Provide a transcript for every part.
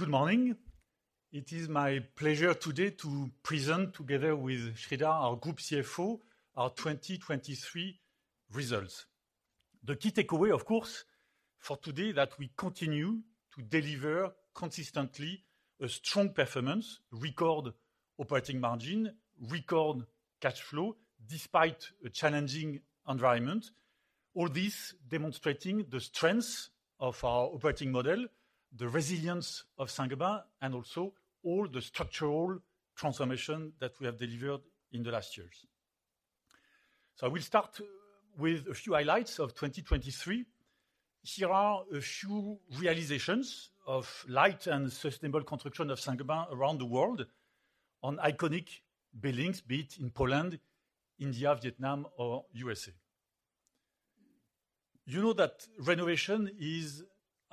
Good morning! It is my pleasure today to present, together with Sreedhar, our Group CFO, our 2023 results. The key takeaway, of course, for today, that we continue to deliver consistently a strong performance, record operating margin, record cash flow, despite a challenging environment. All this demonstrating the strengths of our operating model, the resilience of Saint-Gobain, and also all the structural transformation that we have delivered in the last years. So I will start with a few highlights of 2023. Here are a few realizations of light and sustainable construction of Saint-Gobain around the world on iconic buildings, be it in Poland, India, Vietnam, or USA. You know that renovation is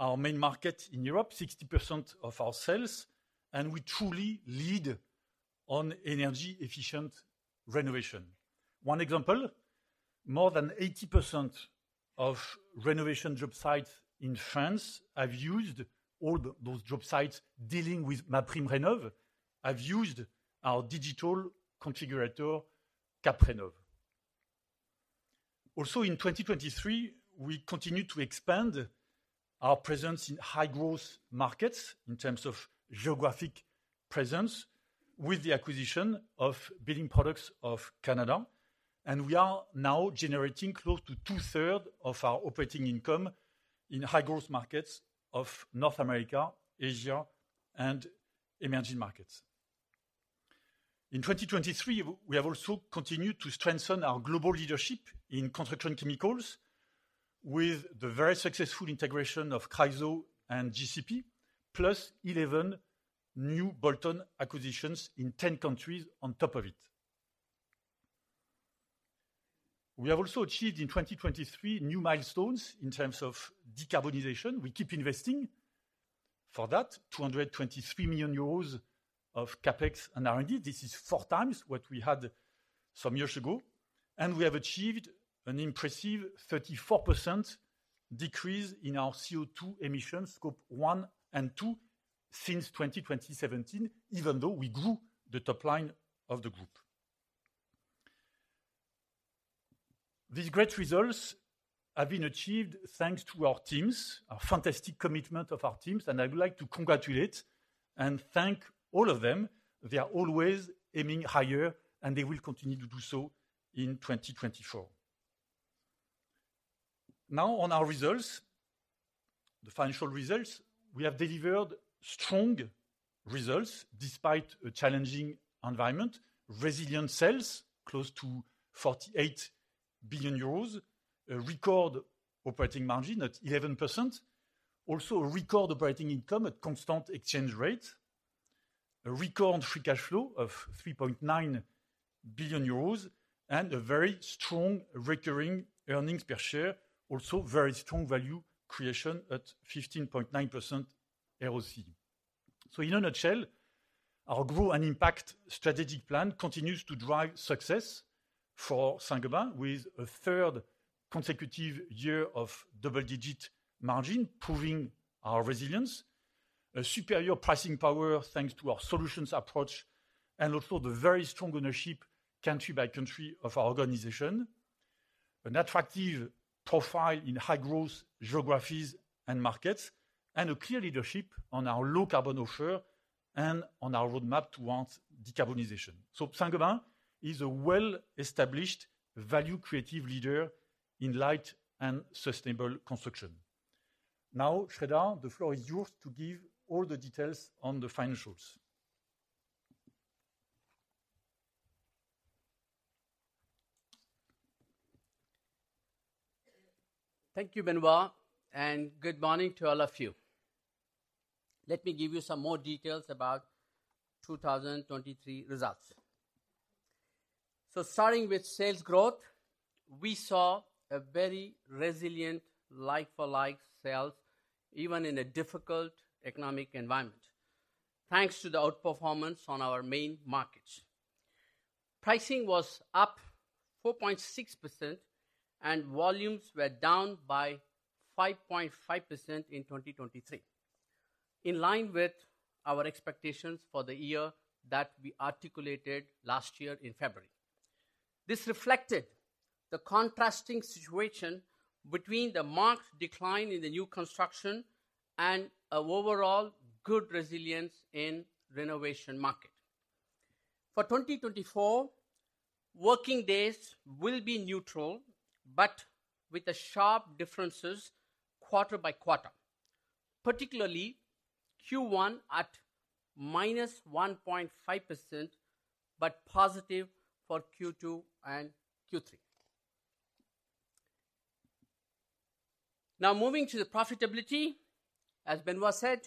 our main market in Europe, 60% of our sales, and we truly lead on energy-efficient renovation. One example, more than 80% of renovation job sites in France have used those job sites, dealing with MaPrimeRénov', have used our digital configurator, CapRénov'. Also, in 2023, we continued to expand our presence in high-growth markets in terms of geographic presence, with the acquisition of Building Products of Canada, and we are now generating close to two-thirds of our operating income in high-growth markets of North America, Asia, and emerging markets. In 2023, we have also continued to strengthen our global leadership in construction chemicals with the very successful integration of Chryso and GCP, plus 11 new bolt-on acquisitions in 10 countries on top of it. We have also achieved, in 2023, new milestones in terms of decarbonization. We keep investing. For that, 223 million euros of CapEx and R&D. This is 4 times what we had some years ago, and we have achieved an impressive 34% decrease in our CO₂ emissions, Scope 1 and 2, since 2017, even though we grew the top line of the group. These great results have been achieved thanks to our teams, our fantastic commitment of our teams, and I would like to congratulate and thank all of them. They are always aiming higher, and they will continue to do so in 2024. Now, on our results, the financial results. We have delivered strong results despite a challenging environment. Resilient sales, close to 48 billion euros. A record operating margin at 11%. Also, a record operating income at constant exchange rate. A record free cash flow of 3.9 billion euros, and a very strong recurring earnings per share. Also, very strong value creation at 15.9% ROC. So in a nutshell, our Grow & Impact strategic plan continues to drive success for Saint-Gobain, with a third consecutive year of double-digit margin, proving our resilience. A superior pricing power, thanks to our solutions approach, and also the very strong ownership, country by country, of our organization. An attractive profile in high-growth geographies and markets, and a clear leadership on our low-carbon offer and on our roadmap towards decarbonization. So Saint-Gobain is a well-established, value-creative leader in light and sustainable construction. Now, Sreedhar, the floor is yours to give all the details on the financials. Thank you, Benoît, and good morning to all of you. Let me give you some more details about 2023 results. So starting with sales growth, we saw a very resilient like-for-like sales, even in a difficult economic environment, thanks to the outperformance on our main markets. Pricing was up 4.6%, and volumes were down by 5.5% in 2023, in line with our expectations for the year that we articulated last year in February. This reflected the contrasting situation between the marked decline in the new construction and an overall good resilience in renovation market. For 2024, working days will be neutral, but with the sharp differences quarter by quarter, particularly Q1 at minus 1.5%, but positive for Q2 and Q3. Now, moving to the profitability, as Benoît said,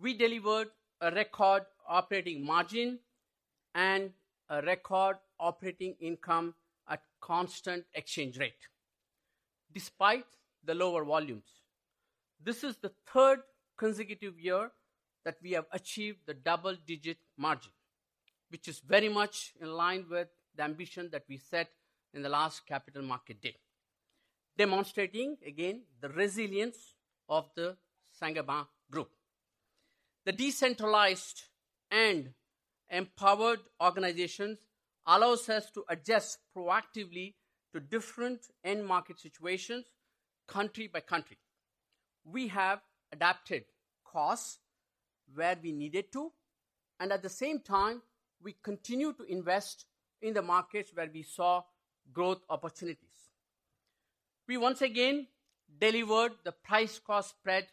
we delivered a record operating margin and a record operating income at constant exchange rate, despite the lower volumes. This is the third consecutive year that we have achieved the double-digit margin, which is very much in line with the ambition that we set in the last Capital Market Day, demonstrating, again, the resilience of the Saint-Gobain Group. The decentralized and empowered organizations allows us to adjust proactively to different end market situations, country by country. We have adapted costs where we needed to, and at the same time, we continue to invest in the markets where we saw growth opportunities. We once again delivered the price-cost spread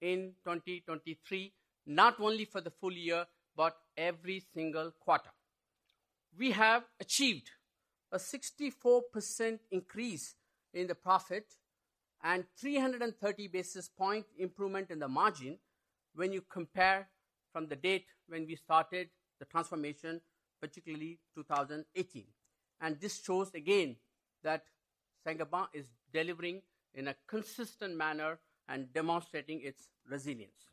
in 2023, not only for the full year, but every single quarter. We have achieved a 64% increase in the profit and 330 basis point improvement in the margin when you compare from the date when we started the transformation, particularly 2018. This shows again that Saint-Gobain is delivering in a consistent manner and demonstrating its resilience.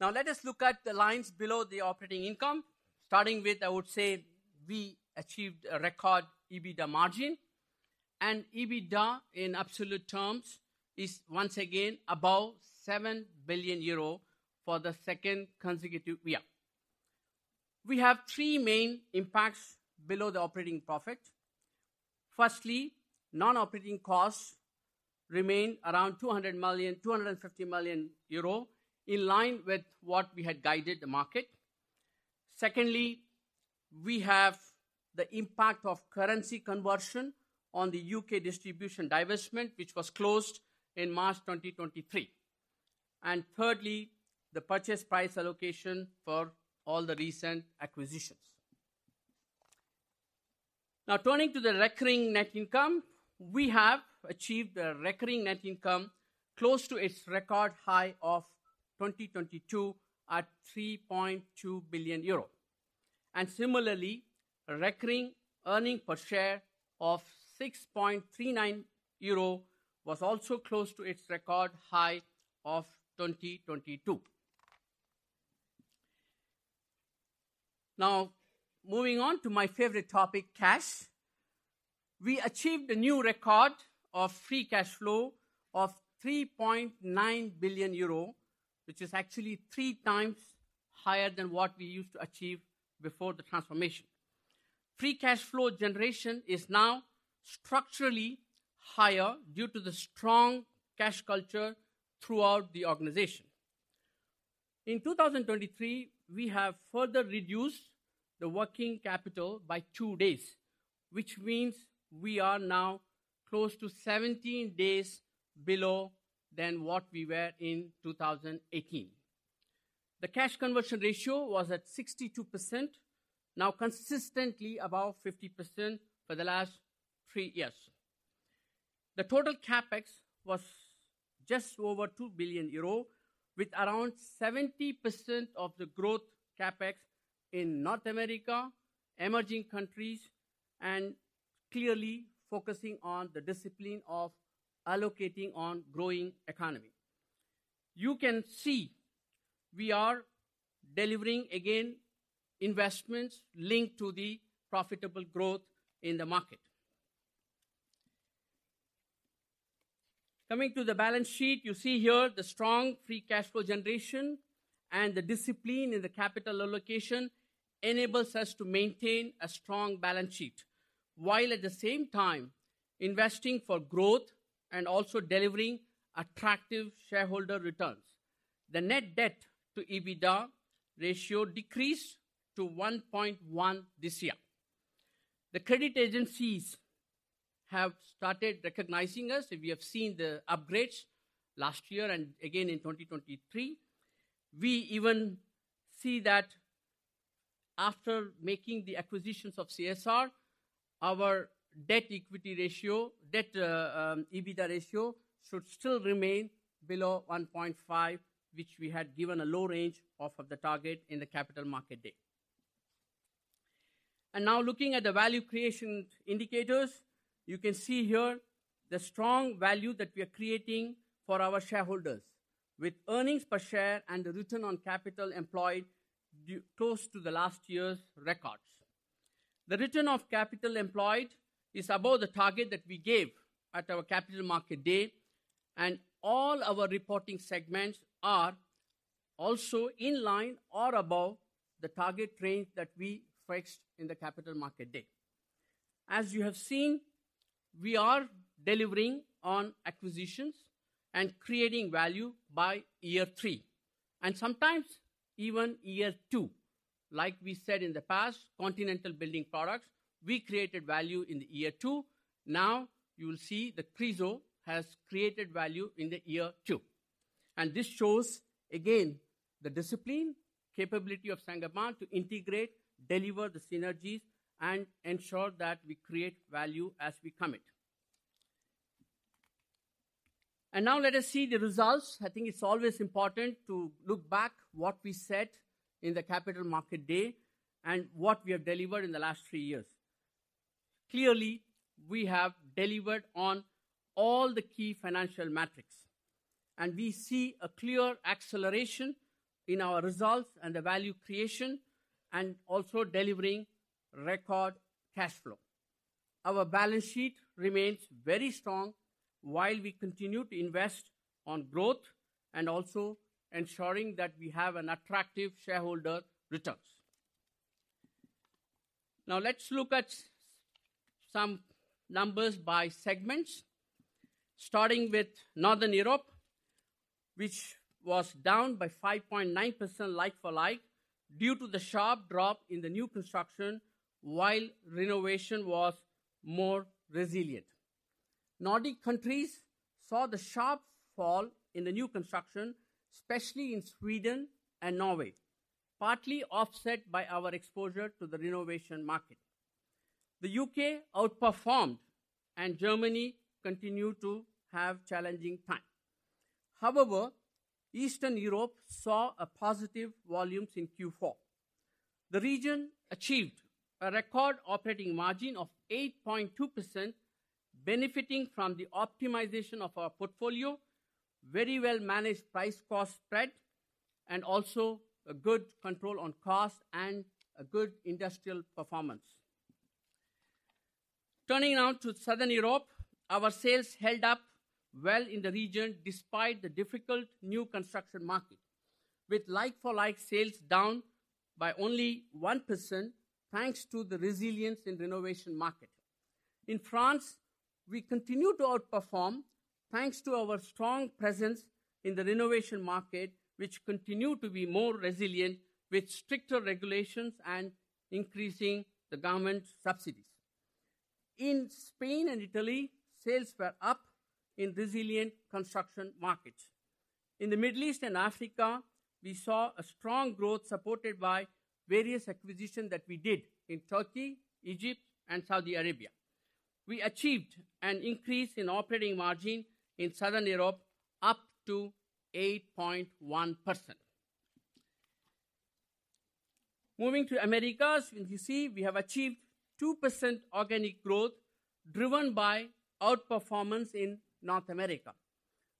Now, let us look at the lines below the operating income. Starting with, I would say, we achieved a record EBITDA margin, and EBITDA, in absolute terms, is once again above 7 billion euro for the second consecutive year. We have three main impacts below the operating profit. Firstly, non-operating costs remain around 200 million-250 million euro, in line with what we had guided the market. Secondly, we have the impact of currency conversion on the UK distribution divestment, which was closed in March 2023. And thirdly, the purchase price allocation for all the recent acquisitions. Now, turning to the recurring net income, we have achieved a recurring net income close to its record high of 2022 at 3.2 billion euro. And similarly, recurring earnings per share of 6.39 euro was also close to its record high of 2022. Now, moving on to my favorite topic, cash. We achieved a new record of free cash flow of 3.9 billion euro, which is actually three times higher than what we used to achieve before the transformation. Free cash flow generation is now structurally higher due to the strong cash culture throughout the organization. In 2023, we have further reduced the working capital by two days, which means we are now close to 17 days below than what we were in 2018. The cash conversion ratio was at 62%, now consistently above 50% for the last three years. The total CapEx was just over 2 billion euro, with around 70% of the growth CapEx in North America, emerging countries, and clearly focusing on the discipline of allocating on growing economy. You can see we are delivering, again, investments linked to the profitable growth in the market. Coming to the balance sheet, you see here the strong free cash flow generation and the discipline in the capital allocation enables us to maintain a strong balance sheet, while at the same time investing for growth and also delivering attractive shareholder returns. The net debt to EBITDA ratio decreased to 1.1 this year. The credit agencies have started recognizing us. We have seen the upgrades last year and again in 2023. We even see that after making the acquisitions of CSR, our debt-to-equity ratio and debt-to-EBITDA ratio should still remain below 1.5, which we had given a low range off of the target in the Capital Markets Day. Now looking at the value creation indicators, you can see here the strong value that we are creating for our shareholders, with earnings per share and the return on capital employed close to the last year's records. The return on capital employed is above the target that we gave at our Capital Markets Day, and all our reporting segments are also in line or above the target range that we fixed in the Capital Markets Day. As you have seen, we are delivering on acquisitions and creating value by year three, and sometimes even year two. Like we said in the past, Continental Building Products, we created value in the year two. Now, you will see that Chryso has created value in the year two. And this shows again the discipline, capability of Saint-Gobain to integrate, deliver the synergies, and ensure that we create value as we commit. And now let us see the results. I think it's always important to look back what we said in the Capital Markets Day and what we have delivered in the last three years. Clearly, we have delivered on all the key financial metrics... and we see a clear acceleration in our results and the value creation, and also delivering record cash flow. Our balance sheet remains very strong while we continue to invest on growth and also ensuring that we have an attractive shareholder returns. Now, let's look at some numbers by segments. Starting with Northern Europe, which was down by 5.9% like-for-like, due to the sharp drop in the new construction, while renovation was more resilient. Nordic countries saw the sharp fall in the new construction, especially in Sweden and Norway, partly offset by our exposure to the renovation market. The UK outperformed, and Germany continued to have challenging time. However, Eastern Europe saw a positive volumes in Q4. The region achieved a record operating margin of 8.2%, benefiting from the optimization of our portfolio, very well-managed price-cost spread, and also a good control on cost and a good industrial performance. Turning now to Southern Europe, our sales held up well in the region despite the difficult new construction market, with like-for-like sales down by only 1%, thanks to the resilience in renovation market. In France, we continued to outperform, thanks to our strong presence in the renovation market, which continued to be more resilient with stricter regulations and increasing the government subsidies. In Spain and Italy, sales were up in resilient construction markets. In the Middle East and Africa, we saw a strong growth supported by various acquisition that we did in Turkey, Egypt and Saudi Arabia. We achieved an increase in operating margin in Southern Europe up to 8.1%. Moving to Americas, you see we have achieved 2% organic growth, driven by outperformance in North America.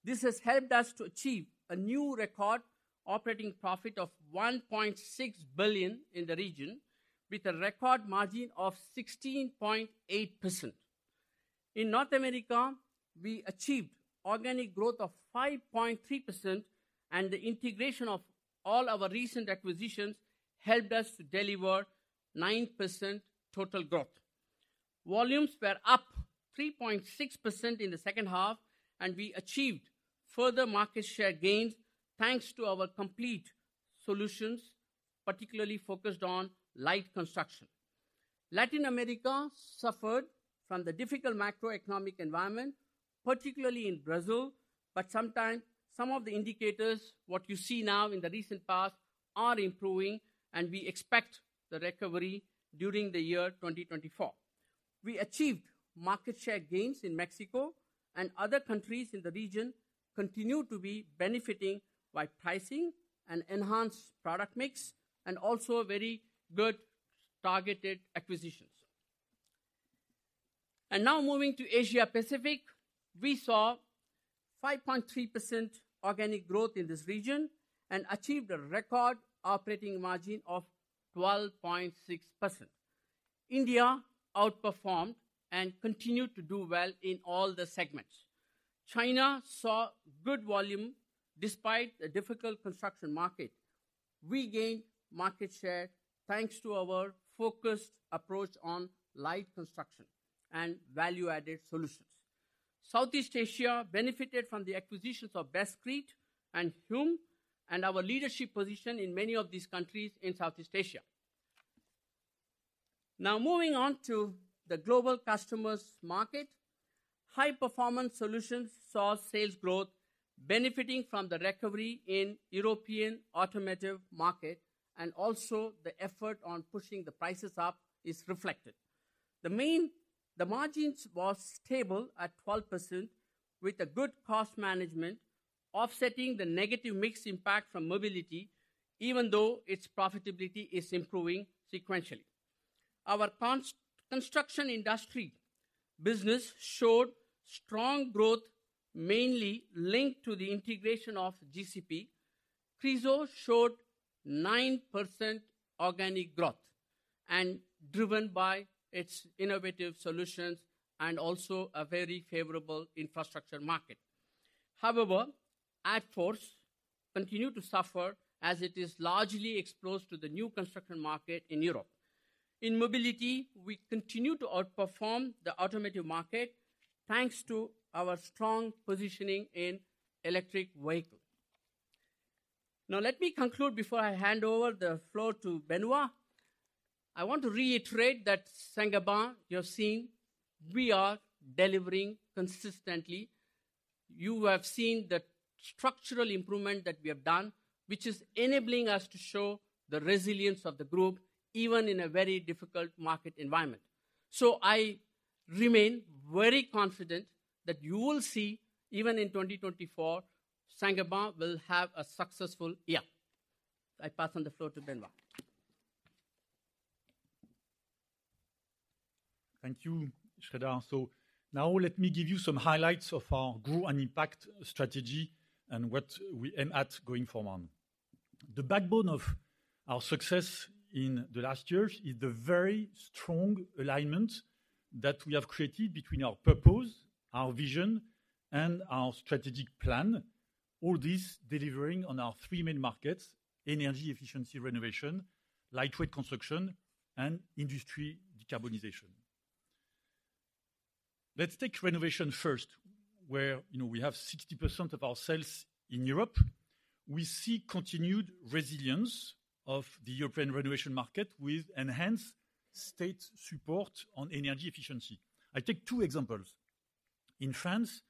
This has helped us to achieve a new record operating profit of 1.6 billion in the region, with a record margin of 16.8%. In North America, we achieved organic growth of 5.3%, and the integration of all our recent acquisitions helped us to deliver 9% total growth. Volumes were up 3.6% in the second half, and we achieved further market share gains, thanks to our complete solutions, particularly focused on light construction. Latin America suffered from the difficult macroeconomic environment, particularly in Brazil, but some of the indicators, what you see now in the recent past, are improving, and we expect the recovery during the year 2024. We achieved market share gains in Mexico, and other countries in the region continue to be benefiting by pricing and enhanced product mix, and also very good targeted acquisitions. And now moving to Asia Pacific, we saw 5.3% organic growth in this region and achieved a record operating margin of 12.6%. India outperformed and continued to do well in all the segments. China saw good volume despite the difficult construction market. We gained market share, thanks to our focused approach on light construction and value-added solutions. Southeast Asia benefited from the acquisitions of Bestcrete and Hume, and our leadership position in many of these countries in Southeast Asia. Now, moving on to the Global Customers market. High-performance solutions saw sales growth, benefiting from the recovery in European automotive market, and also the effort on pushing the prices up is reflected. The margins was stable at 12%, with a good cost management offsetting the negative mix impact from mobility, even though its profitability is improving sequentially. Our construction industry business showed strong growth, mainly linked to the integration of GCP. Chryso showed 9% organic growth and driven by its innovative solutions and also a very favorable infrastructure market. However, Adfors continued to suffer as it is largely exposed to the new construction market in Europe. In mobility, we continue to outperform the automotive market, thanks to our strong positioning in electric vehicle. Now, let me conclude before I hand over the floor to Benoît. I want to reiterate that Saint-Gobain, you have seen, we are delivering consistently. You have seen the structural improvement that we have done, which is enabling us to show the resilience of the group, even in a very difficult market environment. So I remain very confident that you will see, even in 2024, Saint-Gobain will have a successful year. I pass on the floor to Benoît.... Thank you, Shraddha. So now let me give you some highlights of our growth and impact strategy and what we aim at going forward. The backbone of our success in the last years is the very strong alignment that we have created between our purpose, our vision, and our strategic plan. All this delivering on our three main markets: energy efficiency renovation, lightweight construction, and industry decarbonization. Let's take renovation first, where, you know, we have 60% of our sales in Europe. We see continued resilience of the European renovation market with enhanced state support on energy efficiency. I take two examples: In France,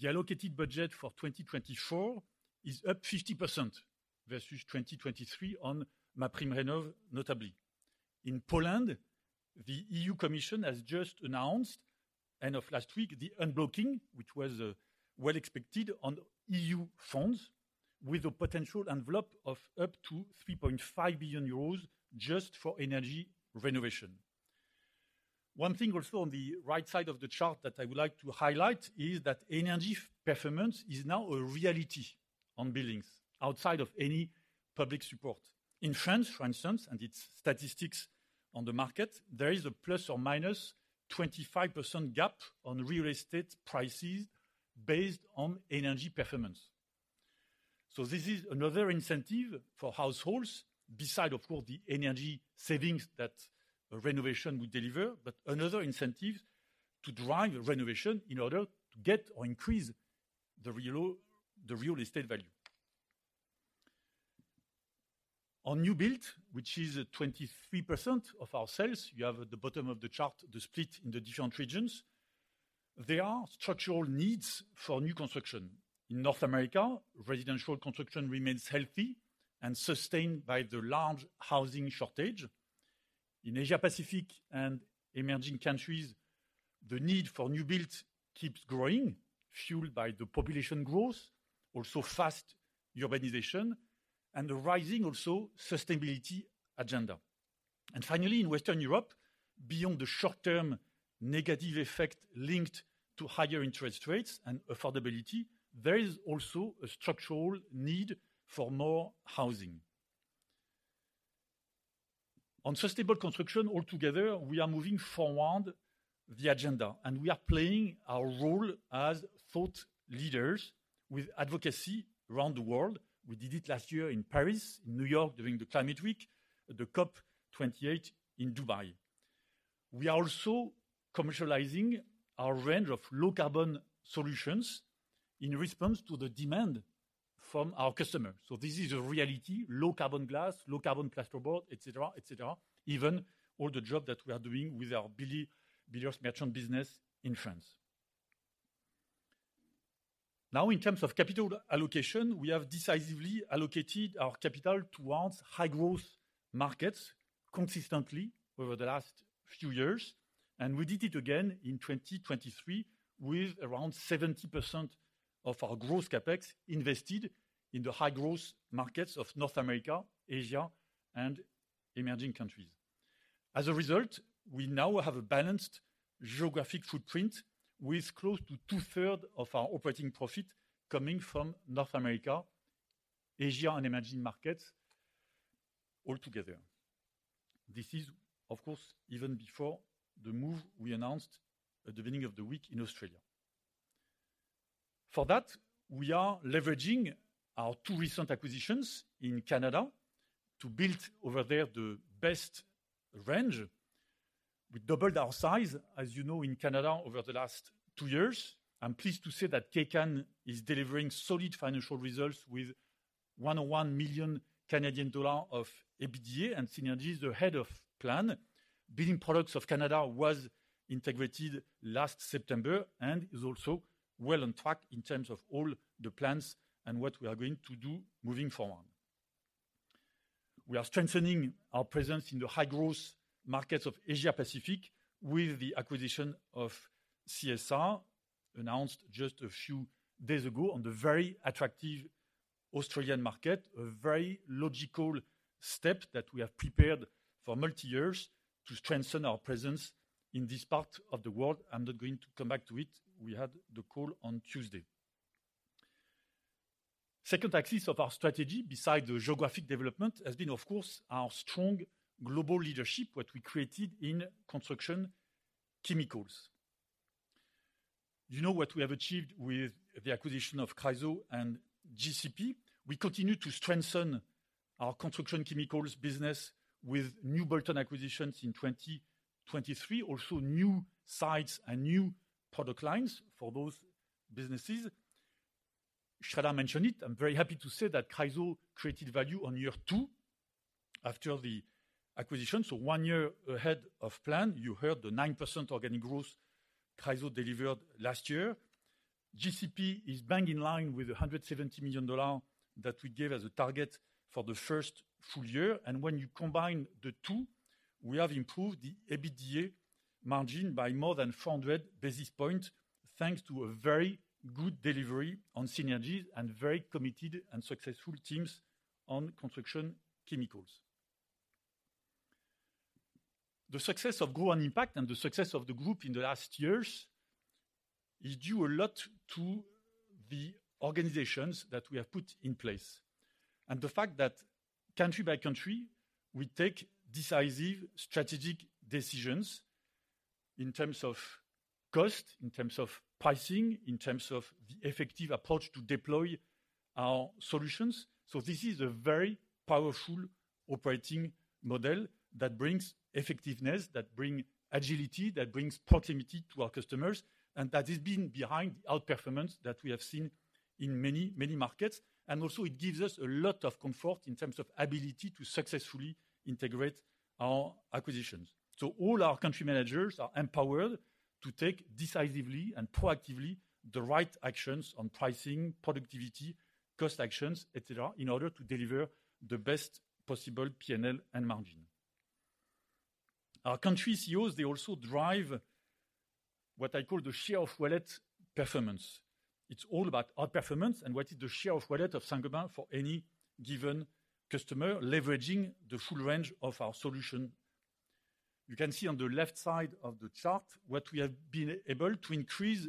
the allocated budget for 2024 is up 50% versus 2023 on MaPrimeRénov', notably. In Poland, the EU Commission has just announced, end of last week, the unblocking, which was well expected on EU funds, with a potential envelope of up to 3.5 billion euros just for energy renovation. One thing also on the right side of the chart that I would like to highlight is that energy performance is now a reality on buildings outside of any public support. In France, for instance, and its statistics on the market, there is a ±25% gap on real estate prices based on energy performance. So this is another incentive for households, besides of course, the energy savings that a renovation would deliver, but another incentive to drive renovation in order to get or increase the real, the real estate value. On new build, which is 23% of our sales, you have at the bottom of the chart, the split in the different regions. There are structural needs for new construction. In North America, residential construction remains healthy and sustained by the large housing shortage. In Asia Pacific and emerging countries, the need for new build keeps growing, fueled by the population growth, also fast urbanization and the rising also sustainability agenda. And finally, in Western Europe, beyond the short term negative effect linked to higher interest rates and affordability, there is also a structural need for more housing. On sustainable construction altogether, we are moving forward the agenda, and we are playing our role as thought leaders with advocacy around the world. We did it last year in Paris, in New York, during the Climate Week, the COP 28 in Dubai. We are also commercializing our range of low-carbon solutions in response to the demand from our customers. So this is a reality: low-carbon glass, low-carbon plasterboard, et cetera, et cetera. Even all the job that we are doing with our building merchant business in France. Now, in terms of capital allocation, we have decisively allocated our capital towards high-growth markets consistently over the last few years, and we did it again in 2023, with around 70% of our gross CapEx invested in the high-growth markets of North America, Asia and emerging countries. As a result, we now have a balanced geographic footprint, with close to two-thirds of our operating profit coming from North America, Asia, and emerging markets altogether. This is, of course, even before the move we announced at the beginning of the week in Australia. For that, we are leveraging our two recent acquisitions in Canada to build over there the best range. We doubled our size, as you know, in Canada over the last two years. I'm pleased to say that Kaycan is delivering solid financial results with 101 million Canadian dollar of EBITDA and synergies ahead of plan. Building Products of Canada was integrated last September and is also well on track in terms of all the plans and what we are going to do moving forward. We are strengthening our presence in the high-growth markets of Asia Pacific with the acquisition of CSR, announced just a few days ago on the very attractive Australian market, a very logical step that we have prepared for multi years to strengthen our presence in this part of the world. I'm not going to come back to it. We had the call on Tuesday. Second axis of our strategy, besides the geographic development, has been, of course, our strong global leadership, what we created in Construction Chemicals. You know what we have achieved with the acquisition of Chryso and GCP. We continue to strengthen our Construction Chemicals business with new bolt-on acquisitions in 2023. Also, new sites and new product lines for both businesses. Sreedhar mentioned it, I'm very happy to say that Chryso created value on year two after the acquisition, so one year ahead of plan. You heard the 9% organic growth Chryso delivered last year. GCP is bang in line with the $170 million that we gave as a target for the first full year, and when you combine the two, we have improved the EBITDA margin by more than 400 basis points. Thanks to a very good delivery on synergies and very committed and successful teams on Construction Chemicals. The success of Grow & Impact and the success of the group in the last years is due a lot to the organizations that we have put in place, and the fact that country by country, we take decisive strategic decisions in terms of cost, in terms of pricing, in terms of the effective approach to deploy our solutions. So this is a very powerful operating model that brings effectiveness, that bring agility, that brings proximity to our customers, and that has been behind outperformance that we have seen in many, many markets. And also it gives us a lot of comfort in terms of ability to successfully integrate our acquisitions. So all our country managers are empowered to take decisively and proactively the right actions on pricing, productivity, cost actions, et cetera, in order to deliver the best possible PNL and margin. Our country CEOs, they also drive what I call the share-of-wallet performance. It's all about outperformance, and what is the share of wallet of Saint-Gobain for any given customer, leveraging the full range of our solution? You can see on the left side of the chart what we have been able to increase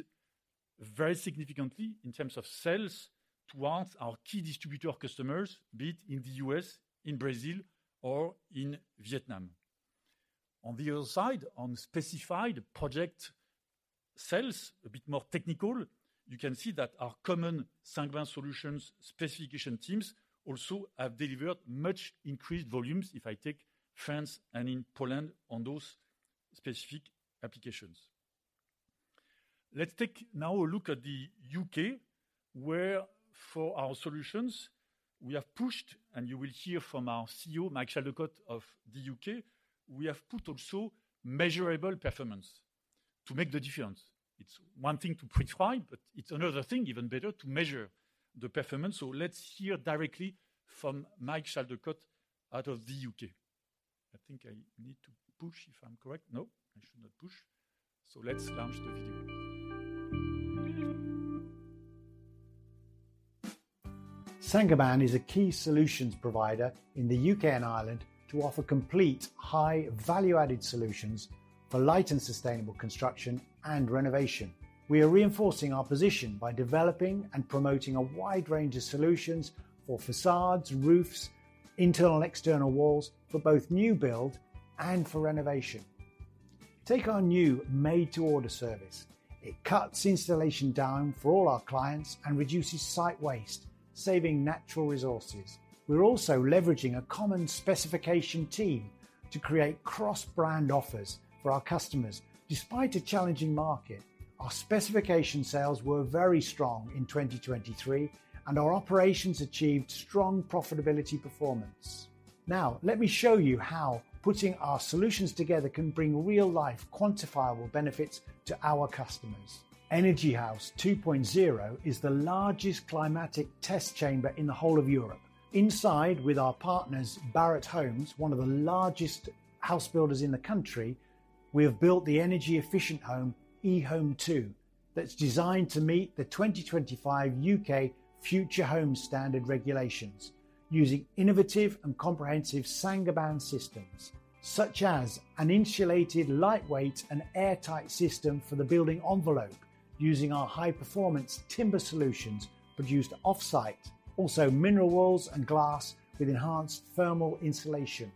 very significantly in terms of sales towards our key distributor customers, be it in the U.S., in Brazil, or in Vietnam. On the other side, on specified project sales, a bit more technical, you can see that our common Saint-Gobain solutions specification teams also have delivered much increased volumes, if I take France and in Poland, on those specific applications. Let's take now a look at the U.K., where for our solutions we have pushed, and you will hear from our CEO, Mike Chaldecott of the U.K., we have put also measurable performance to make the difference. It's one thing to predefine, but it's another thing, even better, to measure the performance. So let's hear directly from Mike Chaldecott out of the U.K. I think I need to push, if I'm correct. No, I should not push. So let's launch the video. Saint-Gobain is a key solutions provider in the UK and Ireland to offer complete, high value-added solutions for light and sustainable construction and renovation. We are reinforcing our position by developing and promoting a wide range of solutions for facades, roofs, internal and external walls, for both new build and for renovation. Take our new made-to-order service. It cuts installation down for all our clients and reduces site waste, saving natural resources. We're also leveraging a common specification team to create cross-brand offers for our customers. Despite a challenging market, our specification sales were very strong in 2023, and our operations achieved strong profitability performance. Now, let me show you how putting our solutions together can bring real-life, quantifiable benefits to our customers. Energy House 2.0 is the largest climatic test chamber in the whole of Europe. Inside, with our partners, Barratt Homes, one of the largest house builders in the country, we have built the energy-efficient home, eHome2, that's designed to meet the 2025 U.K. Future Homes Standard regulations, using innovative and comprehensive Saint-Gobain systems, such as an insulated, lightweight, and airtight system for the building envelope, using our high-performance timber solutions produced off-site. Also, mineral walls and glass with enhanced thermal insulation.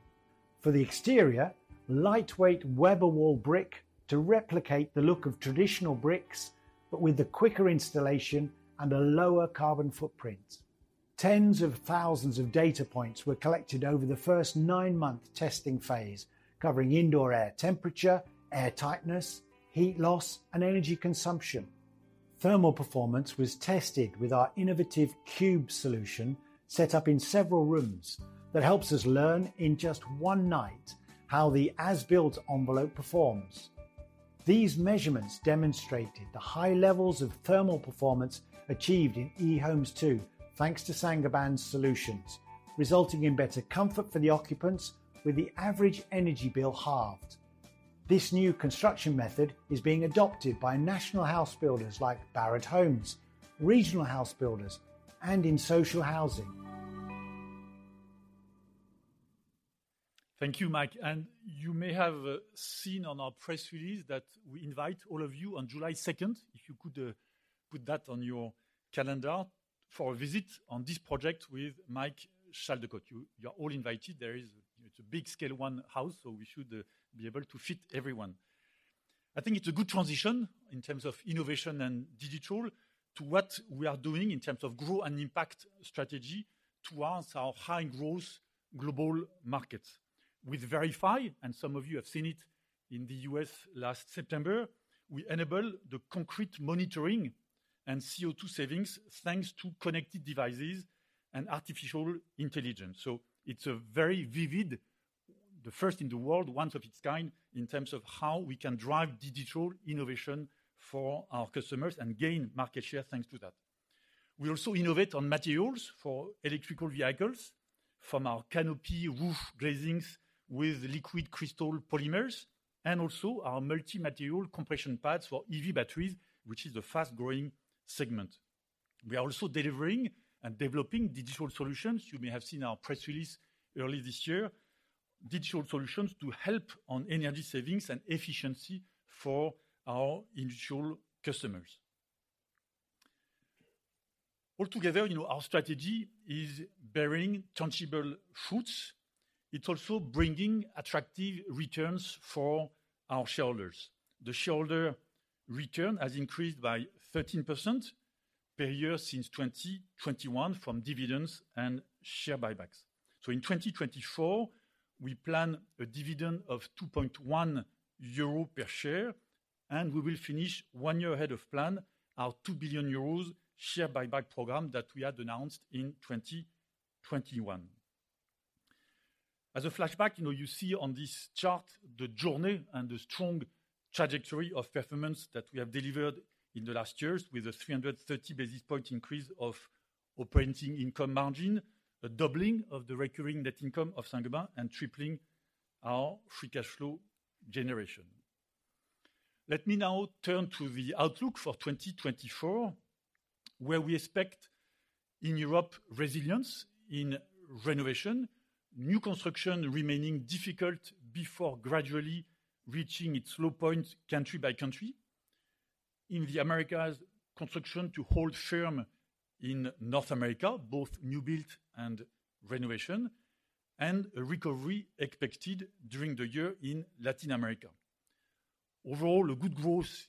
For the exterior, lightweight Weberwall brick to replicate the look of traditional bricks, but with a quicker installation and a lower carbon footprint. Tens of thousands of data points were collected over the first nine-month testing phase, covering indoor air temperature, air tightness, heat loss, and energy consumption. Thermal performance was tested with our innovative QUB solution, set up in several rooms, that helps us learn in just one night how the as-built envelope performs. These measurements demonstrated the high levels of thermal performance achieved in eHome2, thanks to Saint-Gobain's solutions, resulting in better comfort for the occupants, with the average energy bill halved. This new construction method is being adopted by national house builders like Barratt Homes, regional house builders, and in social housing. Thank you, Mike, and you may have seen on our press release that we invite all of you on July 2nd, if you could, put that on your calendar, for a visit on this project with Mike Chaldecott. You, you're all invited. There is... It's a big scale, one house, so we should be able to fit everyone. I think it's a good transition in terms of innovation and digital to what we are doing in terms of Grow & Impact strategy towards our high-growth global markets. With Verifi, and some of you have seen it in the U.S. last September, we enable the concrete monitoring and CO₂ savings, thanks to connected devices and artificial intelligence. So it's a very vivid, the first in the world, one of its kind, in terms of how we can drive digital innovation for our customers and gain market share thanks to that. We also innovate on materials for electrical vehicles, from our canopy roof glazings with liquid crystal polymers, and also our multi-material compression pads for EV batteries, which is a fast-growing segment. We are also delivering and developing digital solutions. You may have seen our press release early this year. Digital solutions to help on energy savings and efficiency for our industrial customers. Altogether, you know, our strategy is bearing tangible fruits. It's also bringing attractive returns for our shareholders. The shareholder return has increased by 13% per year since 2021 from dividends and share buybacks. So in 2024, we plan a dividend of 2.1 euro per share, and we will finish one year ahead of plan, our 2 billion euros share buyback program that we had announced in 2021. As a flashback, you know, you see on this chart the journey and the strong trajectory of performance that we have delivered in the last years, with a 330 basis point increase of operating income margin, a doubling of the recurring net income of Saint-Gobain, and tripling our free cash flow generation. Let me now turn to the outlook for 2024, where we expect in Europe, resilience in renovation, new construction remaining difficult before gradually reaching its low point country by country. In the Americas, construction to hold firm in North America, both new build and renovation, and a recovery expected during the year in Latin America. Overall, a good growth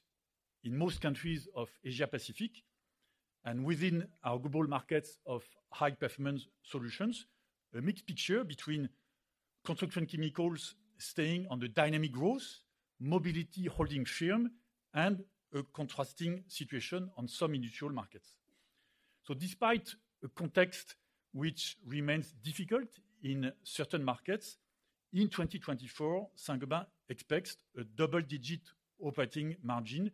in most countries of Asia-Pacific and within our global markets of high-performance solutions, a mixed picture between Construction Chemicals staying on the dynamic growth, Mobility holding firm, and a contrasting situation on some industrial markets. So despite a context which remains difficult in certain markets, in 2024, Saint-Gobain expects a double-digit operating margin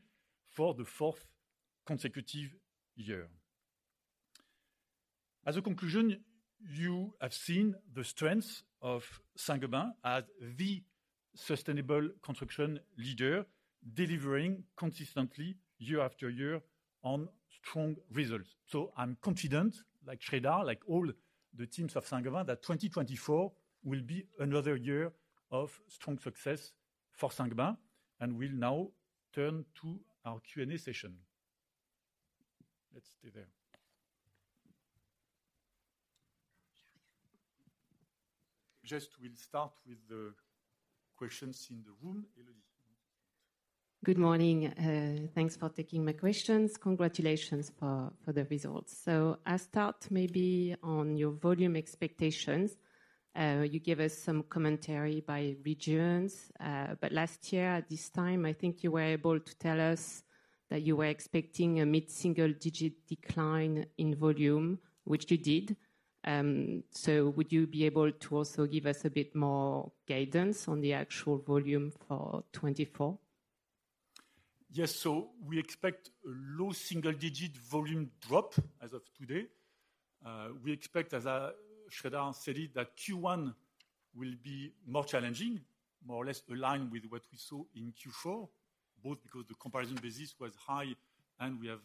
for the fourth consecutive year. As a conclusion, you have seen the strengths of Saint-Gobain as the sustainable construction leader, delivering consistently year after year on strong results. So I'm confident, like Sreedhar, like all the teams of Saint-Gobain, that 2024 will be another year of strong success for Saint-Gobain, and we'll now turn to our Q&A session. Let's stay there. Just we'll start with the questions in the room. Elodie? Good morning, thanks for taking my questions. Congratulations for, for the results. So I start maybe on your volume expectations. You gave us some commentary by regions, but last year at this time, I think you were able to tell us that you were expecting a mid-single-digit decline in volume, which you did. So would you be able to also give us a bit more guidance on the actual volume for 2024? Yes. So we expect a low single-digit volume drop as of today. We expect, as Sreedhar said, that Q1 will be more challenging, more or less aligned with what we saw in Q4, both because the comparison basis was high and we have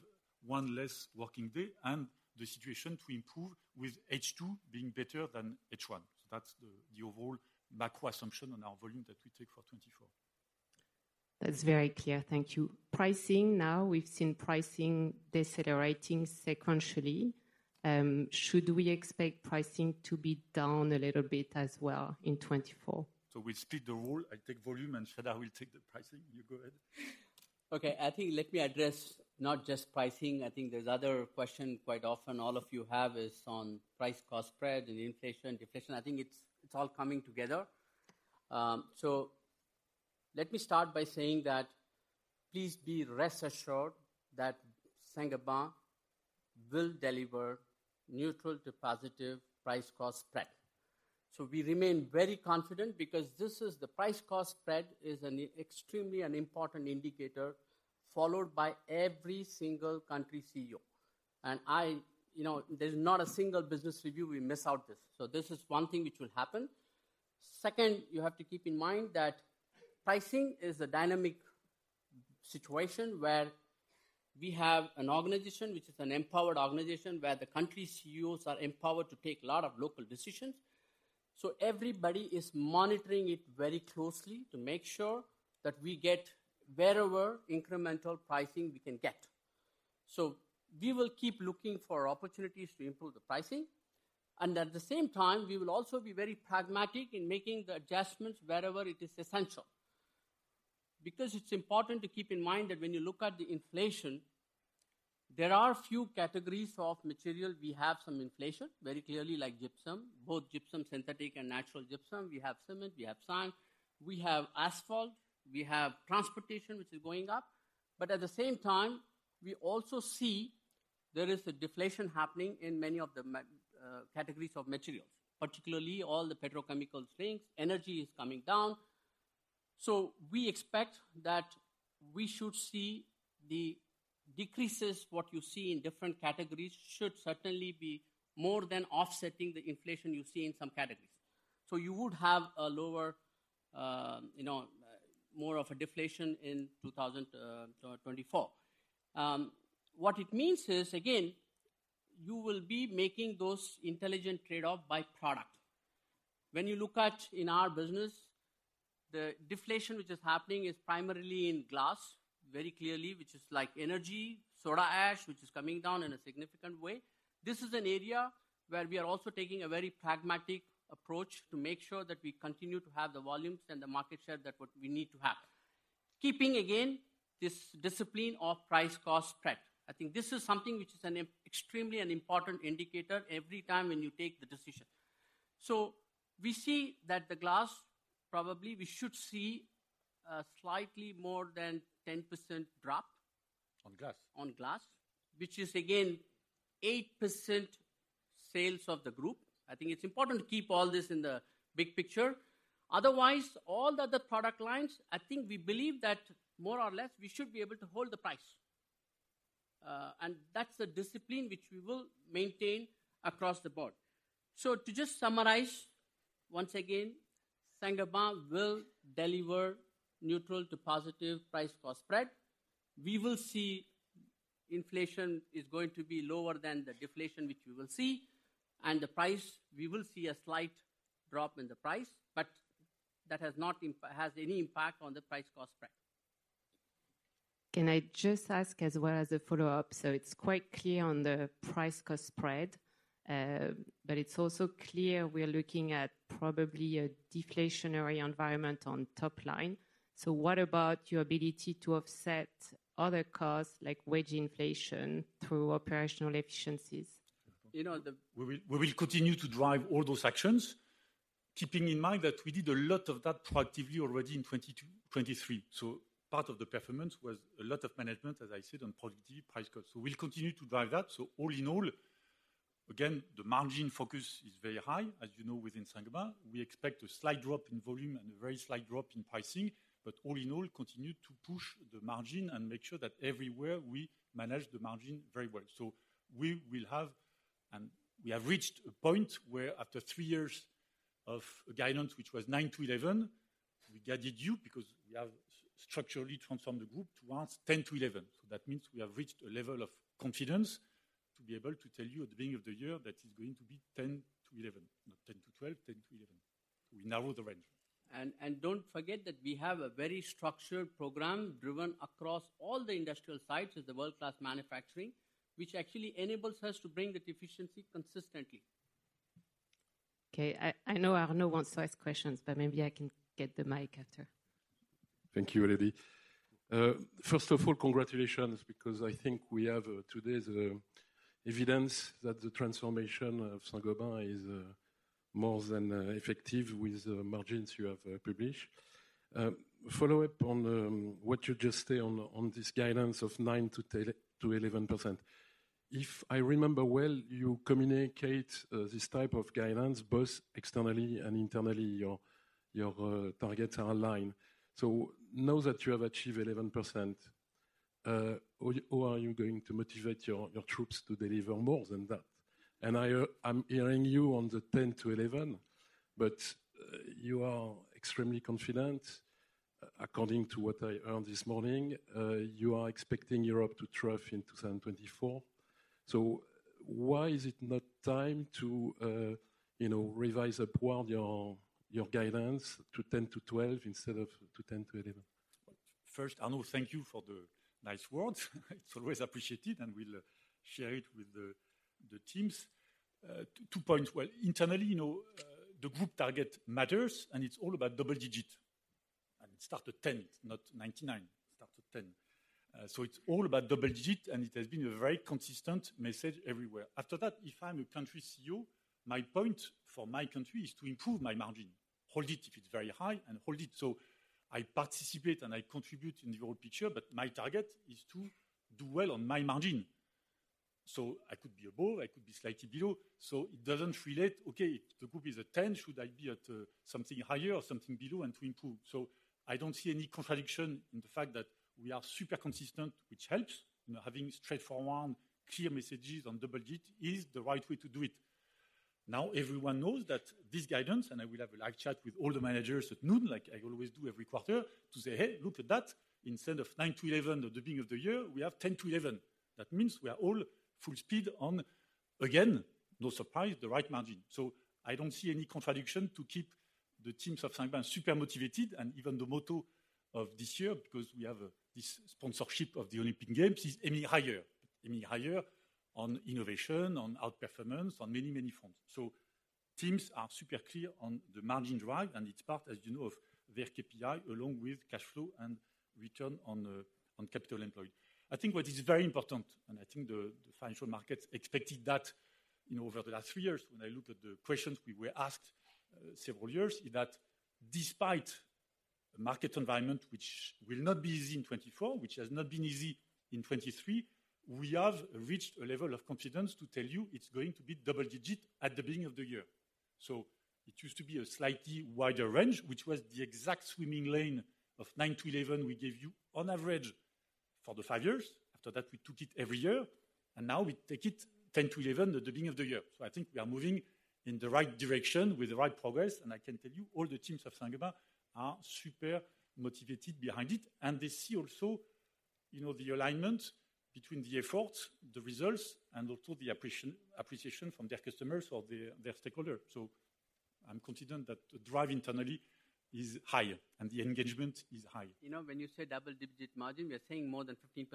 one less working day, and the situation to improve with H2 being better than H1. So that's the overall macro assumption on our volume that we take for 2024. That's very clear. Thank you. Pricing now, we've seen pricing decelerating sequentially. Should we expect pricing to be down a little bit as well in 2024? So we split the role. I take volume and Sreedhar will take the pricing. You go ahead. Okay, I think let me address not just pricing. I think there's other question quite often all of you have is on price-cost spread and inflation, deflation. I think it's, it's all coming together. So let me start by saying that please be rest assured that Saint-Gobain will deliver neutral to positive price-cost spread. So we remain very confident because this is the price-cost spread is an extremely an important indicator, followed by every single country CEO. And I, you know, there's not a single business review we miss out this. So this is one thing which will happen. Second, you have to keep in mind that pricing is a dynamic situation where we have an organization, which is an empowered organization, where the country CEOs are empowered to take a lot of local decisions. So everybody is monitoring it very closely to make sure that we get wherever incremental pricing we can get. So we will keep looking for opportunities to improve the pricing, and at the same time, we will also be very pragmatic in making the adjustments wherever it is essential. Because it's important to keep in mind that when you look at the inflation, there are a few categories of material. We have some inflation, very clearly like gypsum, both gypsum, synthetic and natural gypsum. We have cement, we have sand, we have asphalt, we have transportation, which is going up. But at the same time, we also see there is a deflation happening in many of the categories of materials, particularly all the petrochemical things. Energy is coming down. So we expect that we should see the decreases, what you see in different categories, should certainly be more than offsetting the inflation you see in some categories. So you would have a lower, you know, more of a deflation in 2024. What it means is, again, you will be making those intelligent trade-off by product. When you look at in our business, the deflation which is happening is primarily in glass, very clearly, which is like energy, soda ash, which is coming down in a significant way. This is an area where we are also taking a very pragmatic approach to make sure that we continue to have the volumes and the market share that what we need to have. Keeping, again, this discipline of price-cost spread. I think this is something which is an extremely important indicator every time when you take the decision. So we see that the glass, probably we should see a slightly more than 10% drop- On glass? on glass, which is again 8% sales of the group. I think it's important to keep all this in the big picture. Otherwise, all the other product lines, I think we believe that more or less, we should be able to hold the price. And that's a discipline which we will maintain across the board. So to just summarize, once again, Saint-Gobain will deliver neutral to positive price-cost spread. We will see inflation is going to be lower than the deflation, which we will see, and the price, we will see a slight drop in the price, but that has not -- has any impact on the price-cost spread. Can I just ask as well as a follow-up? So it's quite clear on the price-cost spread, but it's also clear we are looking at probably a deflationary environment on top line. So what about your ability to offset other costs, like wage inflation, through operational efficiencies? You know, the We will continue to drive all those actions, keeping in mind that we did a lot of that proactively already in 2023. So part of the performance was a lot of management, as I said, on productivity, price cost. So we'll continue to drive that. So all in all, again, the margin focus is very high, as you know, within Saint-Gobain. We expect a slight drop in volume and a very slight drop in pricing, but all in all, continue to push the margin and make sure that everywhere we manage the margin very well. So we will have, and we have reached a point where after three years of guidance, which was 9-11, we guided you because we have structurally transformed the group towards 10-11. That means we have reached a level of confidence to be able to tell you at the beginning of the year that it's going to be 10-11, not 10-12, 10-11. We narrow the range. And don't forget that we have a very structured program driven across all the industrial sites with the World-Class Manufacturing, which actually enables us to bring the deficiency consistently. Okay, I know Arnaud wants to ask questions, but maybe I can get the mic after. Thank you, Olivia. First of all, congratulations, because I think we have today the evidence that the transformation of Saint-Gobain is more than effective with the margins you have published. Follow up on what you just say on this guidance of 9%-10%-11%. If I remember well, you communicate this type of guidance both externally and internally, your targets are aligned. So now that you have achieved 11%, how are you going to motivate your troops to deliver more than that? And I, I'm hearing you on the 10%-11%, but you are extremely confident. According to what I heard this morning, you are expecting Europe to trough in 2024. Why is it not time to, you know, revise upward your, your guidance to 10-12 instead of to 10-11? First, Arnaud, thank you for the nice words. It's always appreciated, and we'll share it with the teams. Two points. Well, internally, you know, the group target matters, and it's all about double digit. And it starts at 10, not 99, starts at 10. So it's all about double digit, and it has been a very consistent message everywhere. After that, if I'm a country CEO, my point for my country is to improve my margin, hold it if it's very high, and hold it. So I participate, and I contribute in the whole picture, but my target is to do well on my margin. So I could be above, I could be slightly below, so it doesn't relate, okay, the group is at 10, should I be at, something higher or something below and to improve? So I don't see any contradiction in the fact that we are super consistent, which helps. You know, having straightforward, clear messages on double digit is the right way to do it. Now, everyone knows that this guidance, and I will have a live chat with all the managers at noon, like I always do every quarter, to say, "Hey, look at that. Instead of 9-11 at the beginning of the year, we have 10-11." That means we are all full speed on, again, no surprise, the right margin. So I don't see any contradiction to keep the teams of Saint-Gobain super motivated, and even the motto of this year, because we have this sponsorship of the Olympic Games, is aiming higher. Aiming higher on innovation, on outperformance, on many, many fronts. So teams are super clear on the margin drive, and it's part, as you know, of their KPI, along with cash flow and return on capital employed. I think what is very important, and I think the financial markets expected that, you know, over the last three years, when I look at the questions we were asked several years, is that despite the market environment, which will not be easy in 2024, which has not been easy in 2023, we have reached a level of confidence to tell you it's going to be double-digit at the beginning of the year. So it used to be a slightly wider range, which was the exact swimming lane of 9-11 we gave you on average... for the five years. After that, we took it every year, and now we take it 10-11 at the beginning of the year. So I think we are moving in the right direction with the right progress, and I can tell you, all the teams of Saint-Gobain are super motivated behind it. And they see also, you know, the alignment between the efforts, the results, and also the appreciation from their customers or their stakeholder. So I'm confident that the drive internally is high and the engagement is high. You know, when you say double-digit margin, we are saying more than 15%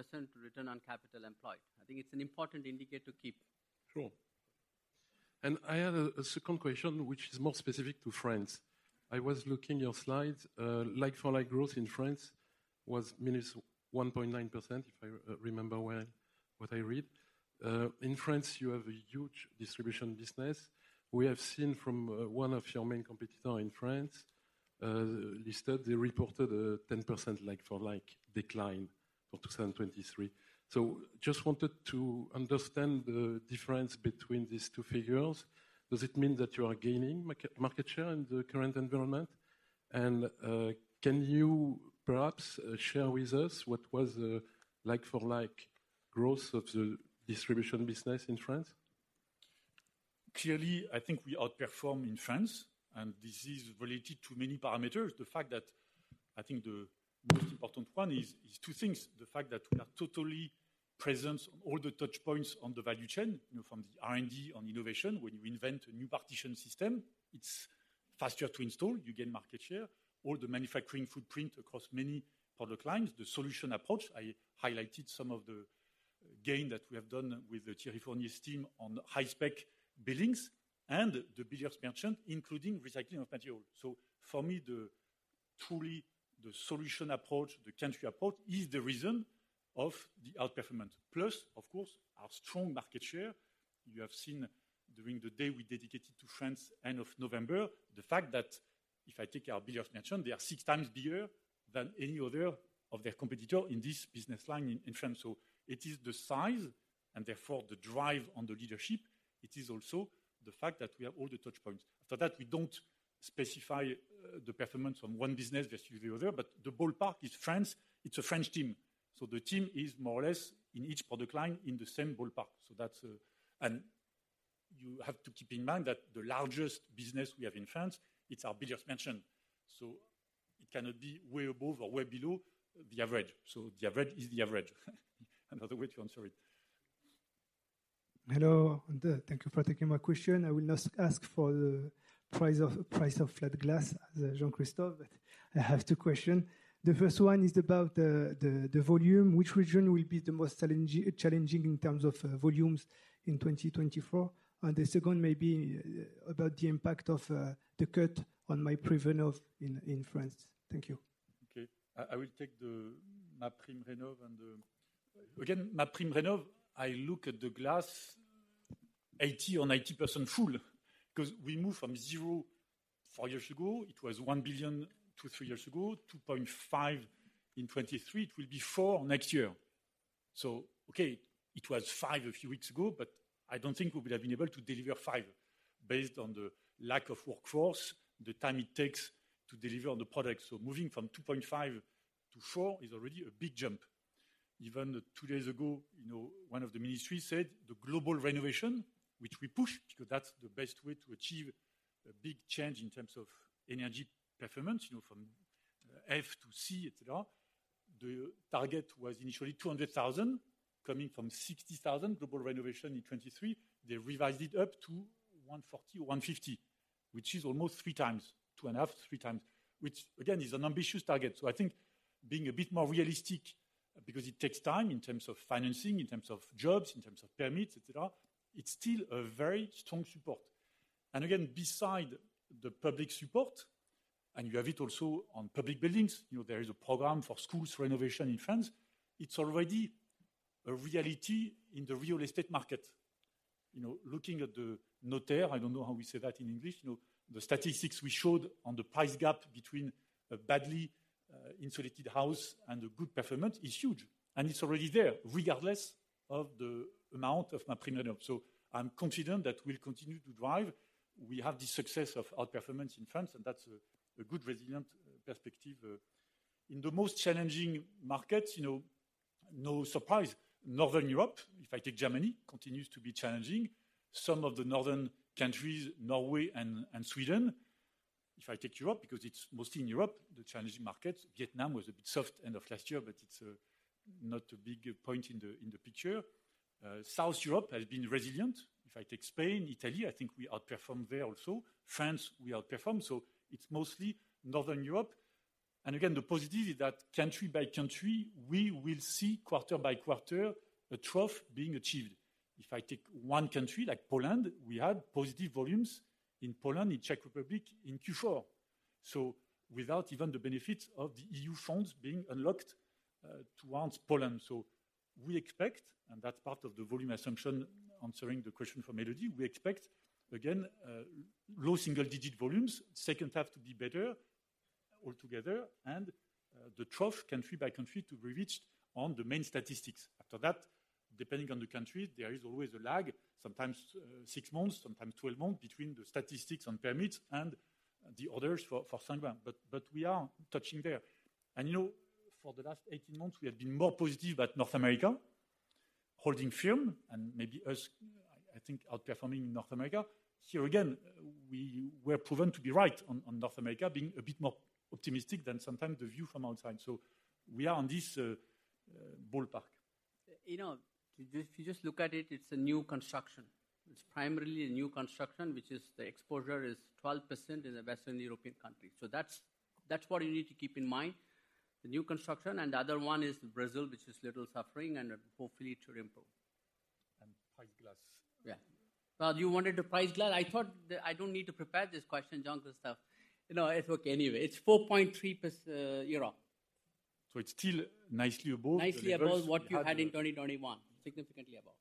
Return on Capital Employed. I think it's an important indicator to keep. Sure. And I have a second question, which is more specific to France. I was looking your slides, like-for-like growth in France was -1.9%, if I remember well, what I read. In France, you have a huge distribution business. We have seen from one of your main competitor in France, listed, they reported a 10% like-for-like decline for 2023. So just wanted to understand the difference between these two figures. Does it mean that you are gaining market share in the current environment? And can you perhaps share with us what was the like-for-like growth of the distribution business in France? Clearly, I think we outperform in France, and this is related to many parameters. The fact that I think the most important one is two things: the fact that we are totally present on all the touchpoints on the value chain, you know, from the R&D on innovation. When you invent a new partition system, it's faster to install, you gain market share. All the manufacturing footprint across many product lines, the solution approach. I highlighted some of the gain that we have done with the Thierry Fournier's team on high-spec buildings and the bigger merchant, including recycling of material. So for me, the... truly, the solution approach, the country approach, is the reason of the outperformance. Plus, of course, our strong market share. You have seen during the day we dedicated to France, end of November, the fact that if I take our biggest merchant, they are six times bigger than any other of their competitor in this business line in France. So it is the size and therefore, the drive on the leadership. It is also the fact that we have all the touchpoints. After that, we don't specify the performance from one business versus the other, but the ballpark is France. It's a French team, so the team is more or less in each product line in the same ballpark. So that's... And you have to keep in mind that the largest business we have in France, it's our biggest merchant, so it cannot be way above or way below the average. So the average is the average. Another way to answer it. Hello, and thank you for taking my question. I will not ask for the price of flat glass as Jean-Christophe, but I have two question. The first one is about the volume. Which region will be the most challenging in terms of volumes in 2024? And the second may be about the impact of the cut on MaPrimeRénov' in France. Thank you. Okay, I will take the MaPrimeRénov' and the... Again, MaPrimeRénov', I look at the glass 80%-90% full, 'cause we moved from 0 billion four years ago. It was 1.2 billion three years ago, 2.5 billion in 2023, it will be 4 billion next year. So okay, it was 5 billion a few weeks ago, but I don't think we would have been able to deliver 5 based on the lack of workforce, the time it takes to deliver on the product. So moving from 2.5 to 4 is already a big jump. Even two days ago, you know, one of the ministries said the global renovation, which we push, because that's the best way to achieve a big change in terms of energy performance, you know, from F to C, et cetera. The target was initially 200,000, coming from 60,000 global renovation in 2023. They revised it up to 140 or 150, which is almost three times, 2.5, three times, which again, is an ambitious target. So I think being a bit more realistic, because it takes time in terms of financing, in terms of jobs, in terms of permits, et cetera, it's still a very strong support. And again, beside the public support, and you have it also on public buildings, you know, there is a program for schools renovation in France. It's already a reality in the real estate market. You know, looking at the notaire, I don't know how we say that in English, you know, the statistics we showed on the price gap between a badly insulated house and a good performance is huge, and it's already there, regardless of the amount of MaPrimeRénov'. So I'm confident that we'll continue to drive. We have the success of our performance in France, and that's a good resilient perspective. In the most challenging markets, you know, no surprise, Northern Europe, if I take Germany, continues to be challenging. Some of the northern countries, Norway and Sweden. If I take Europe, because it's mostly in Europe, the challenging markets. Vietnam was a bit soft end of last year, but it's not a big point in the picture. South Europe has been resilient. If I take Spain, Italy, I think we outperformed there also. France, we outperformed, so it's mostly Northern Europe. And again, the positive is that country by country, we will see quarter by quarter, a trough being achieved. If I take one country like Poland, we had positive volumes in Poland, in Czech Republic, in Q4. So without even the benefits of the EU funds being unlocked, towards Poland. So we expect, and that's part of the volume assumption, answering the question for Elodie, we expect, again, low single-digit volumes, second half to be better altogether, and, the trough country by country to be reached on the main statistics. After that, depending on the country, there is always a lag, sometimes, six months, sometimes 12 months, between the statistics on permits and the others for, for Saint-Gobain, but, but we are touching there. You know, for the last 18 months, we have been more positive about North America, holding firm and maybe us, I think, outperforming in North America. Here again, we were proven to be right on North America, being a bit more optimistic than sometimes the view from outside. So we are on this ballpark. You know, if you just look at it, it's a new construction. It's primarily a new construction, which is the exposure is 12% in the Western European countries. So that's, that's what you need to keep in mind, the new construction, and the other one is Brazil, which is little suffering and hopefully to improve. Price glass. Yeah. Well, you wanted the price glass? I thought that I don't need to prepare this question, Jean-Christophe. You know, it's okay anyway. It's 4.3%, euro. So it's still nicely above- Nicely above what you had in 2021. Significantly above.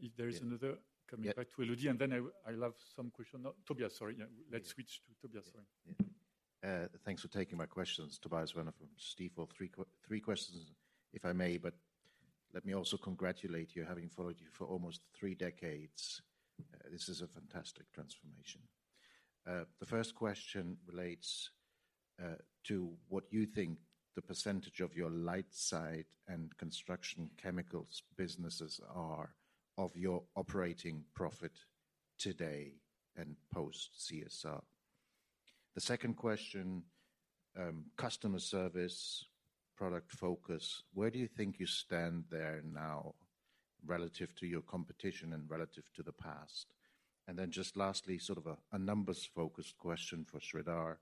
If there is another- Yeah. Coming back to Elodie, and then I, I'll have some question. Tobias, sorry. Yeah, let's switch to Tobias. Sorry. Yeah. Thanks for taking my questions. Tobias Werner from UBS. Three questions, if I may, but let me also congratulate you, having followed you for almost three decades. This is a fantastic transformation. The first question relates to what you think the percentage of your light side and construction chemicals businesses are of your operating profit today and post CSR. The second question, customer service, product focus, where do you think you stand there now relative to your competition and relative to the past? And then just lastly, sort of a numbers-focused question for Sreedhar.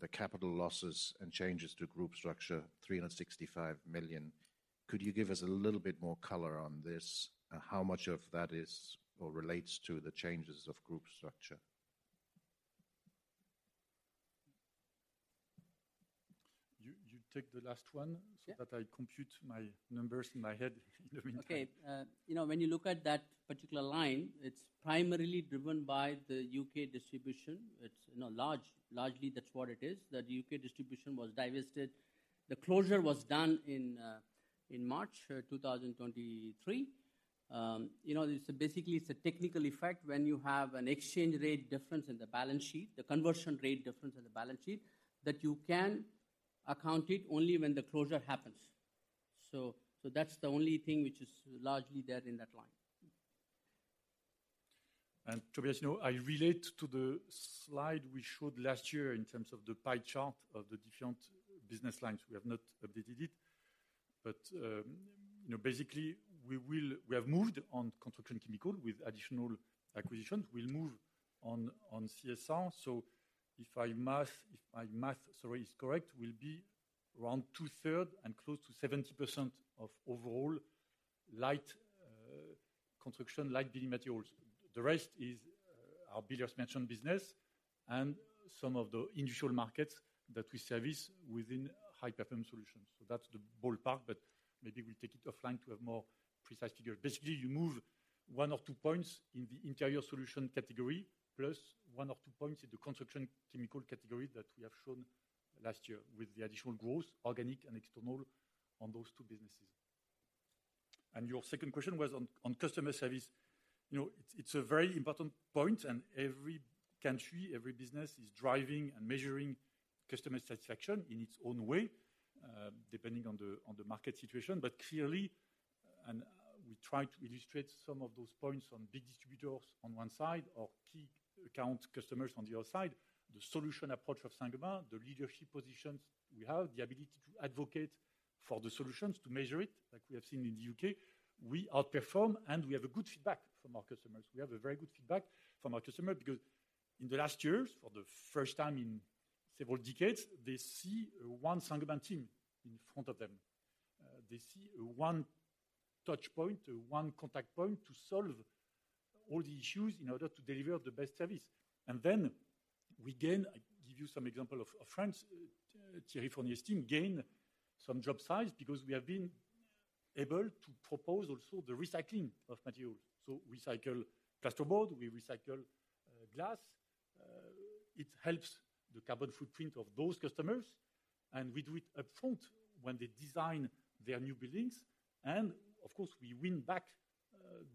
The capital losses and changes to group structure, 365 million. Could you give us a little bit more color on this? How much of that is or relates to the changes of group structure? You take the last one- Yeah... so that I compute my numbers in my head in the meantime. Okay, you know, when you look at that particular line, it's primarily driven by the UK distribution. It's, you know, largely, that's what it is, that UK distribution was divested. The closure was done in March 2023. You know, it's basically, it's a technical effect when you have an exchange rate difference in the balance sheet, the conversion rate difference in the balance sheet, that you can account it only when the closure happens. So that's the only thing which is largely there in that line. Tobias, you know, I relate to the slide we showed last year in terms of the pie chart of the different business lines. We have not updated it, but, you know, basically, we have moved on construction chemicals with additional acquisitions. We'll move on CSR. So if my math, sorry, is correct, we'll be around 2/3 and close to 70% of overall light construction light building materials. The rest is our builders merchant business and some of the industrial markets that we service within high-performance solutions. So that's the ballpark, but maybe we'll take it offline to have more precise figures. Basically, you move 1 or 2 points in the interior solution category, plus 1 or 2 points in the construction chemical category that we have shown last year, with the additional growth, organic and external, on those two businesses. And your second question was on customer service. You know, it's a very important point, and every country, every business, is driving and measuring customer satisfaction in its own way, depending on the market situation. But clearly, and we try to illustrate some of those points on big distributors on one side or key account customers on the other side, the solution approach of Saint-Gobain, the leadership positions we have, the ability to advocate for the solutions, to measure it, like we have seen in the U.K., we outperform, and we have a good feedback from our customers. We have a very good feedback from our customer because in the last years, for the first time in several decades, they see one Saint-Gobain team in front of them. They see one touch point, one contact point to solve all the issues in order to deliver the best service. And then we gain. I give you some example of France. Thierry Fournier's team gained some job size because we have been able to propose also the recycling of materials. So we recycle plasterboard, we recycle glass. It helps the carbon footprint of those customers, and we do it upfront when they design their new buildings, and of course, we win back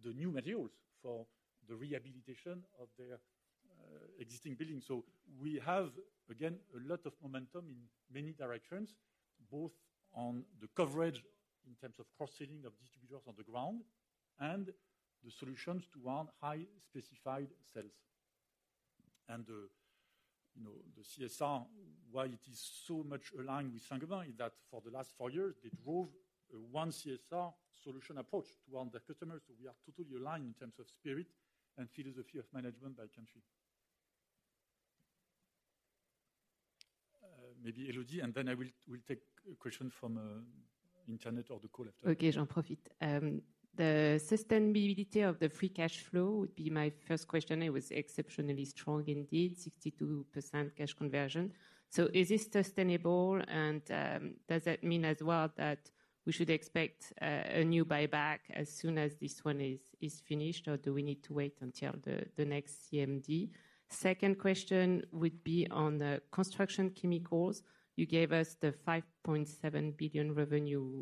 the new materials for the rehabilitation of their existing buildings. So we have, again, a lot of momentum in many directions, both on the coverage in terms of cross-selling of distributors on the ground and the solutions to earn high specified sales. And the, you know, the CSR, why it is so much aligned with Saint-Gobain, is that for the last four years, they drove one CSR solution approach toward their customers. So we are totally aligned in terms of spirit and philosophy of management by country. Maybe Elodie, and then I will, we'll take a question from, internet or the call after. Okay, Jean Prophete. The sustainability of the free cash flow would be my first question. It was exceptionally strong indeed, 62% cash conversion. So is this sustainable, and does that mean as well that we should expect a new buyback as soon as this one is finished, or do we need to wait until the next CMD? Second question would be on the construction chemicals. You gave us the 5.7 billion revenue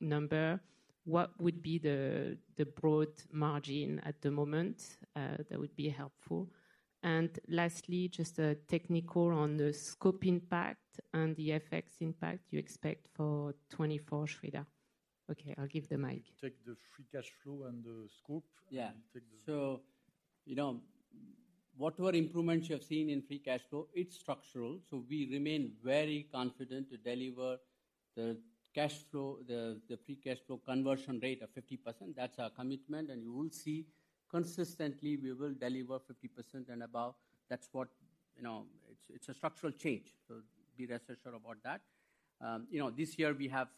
number. What would be the broad margin at the moment? That would be helpful. And lastly, just a technical on the scope impact and the FX impact you expect for 2024, Sreedhar. Okay, I'll give the mic. Take the free cash flow and the scope. Yeah. Take the- So, you know, whatever improvements you have seen in free cash flow, it's structural. So we remain very confident to deliver the cash flow, the free cash flow conversion rate of 50%. That's our commitment, and you will see consistently we will deliver 50% and above. That's what, you know, it's a structural change, so be rest assured about that. You know, this year we have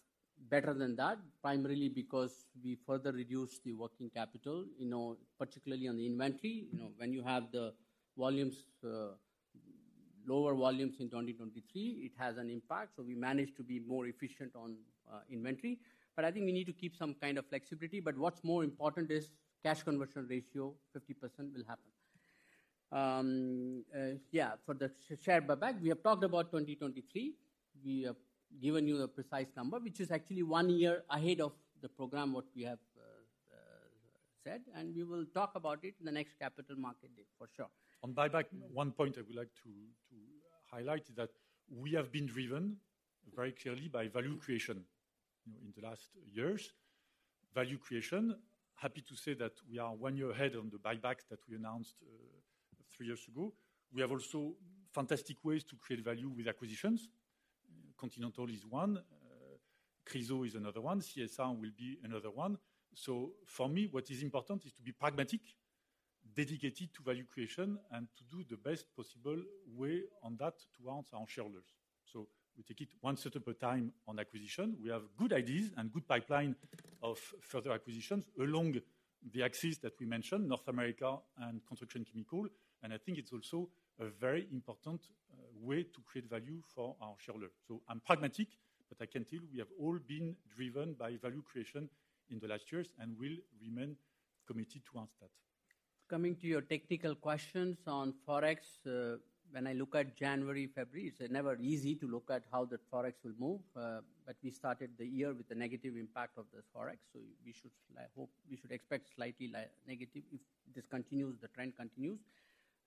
better than that, primarily because we further reduced the working capital, you know, particularly on the inventory. You know, when you have the volumes, lower volumes in 2023, it has an impact, so we managed to be more efficient on inventory. But I think we need to keep some kind of flexibility. But what's more important is cash conversion ratio, 50% will happen. Yeah, for the share buyback, we have talked about 2023. We have given you a precise number, which is actually one year ahead of the program what we have said, and we will talk about it in the next Capital Markets Day, for sure. On buyback, one point I would like to highlight is that we have been driven very clearly by value creation, you know, in the last years. Value creation, happy to say that we are one year ahead on the buyback that we announced three years ago. We have also fantastic ways to create value with acquisitions. Continental is one, Chryso is another one. CSR will be another one. So for me, what is important is to be pragmatic, dedicated to value creation, and to do the best possible way on that towards our shareholders. So we take it one step at a time on acquisition. We have good ideas and good pipeline of further acquisitions along the axis that we mentioned, North America and Construction Chemical, and I think it's also a very important way to create value for our shareholders. I'm pragmatic, but I can tell you we have all been driven by value creation in the last years and will remain committed towards that. Coming to your technical questions on Forex, when I look at January, February, it's never easy to look at how the Forex will move, but we started the year with a negative impact of the Forex, so we should, I hope, we should expect slightly less negative if this continues, the trend continues,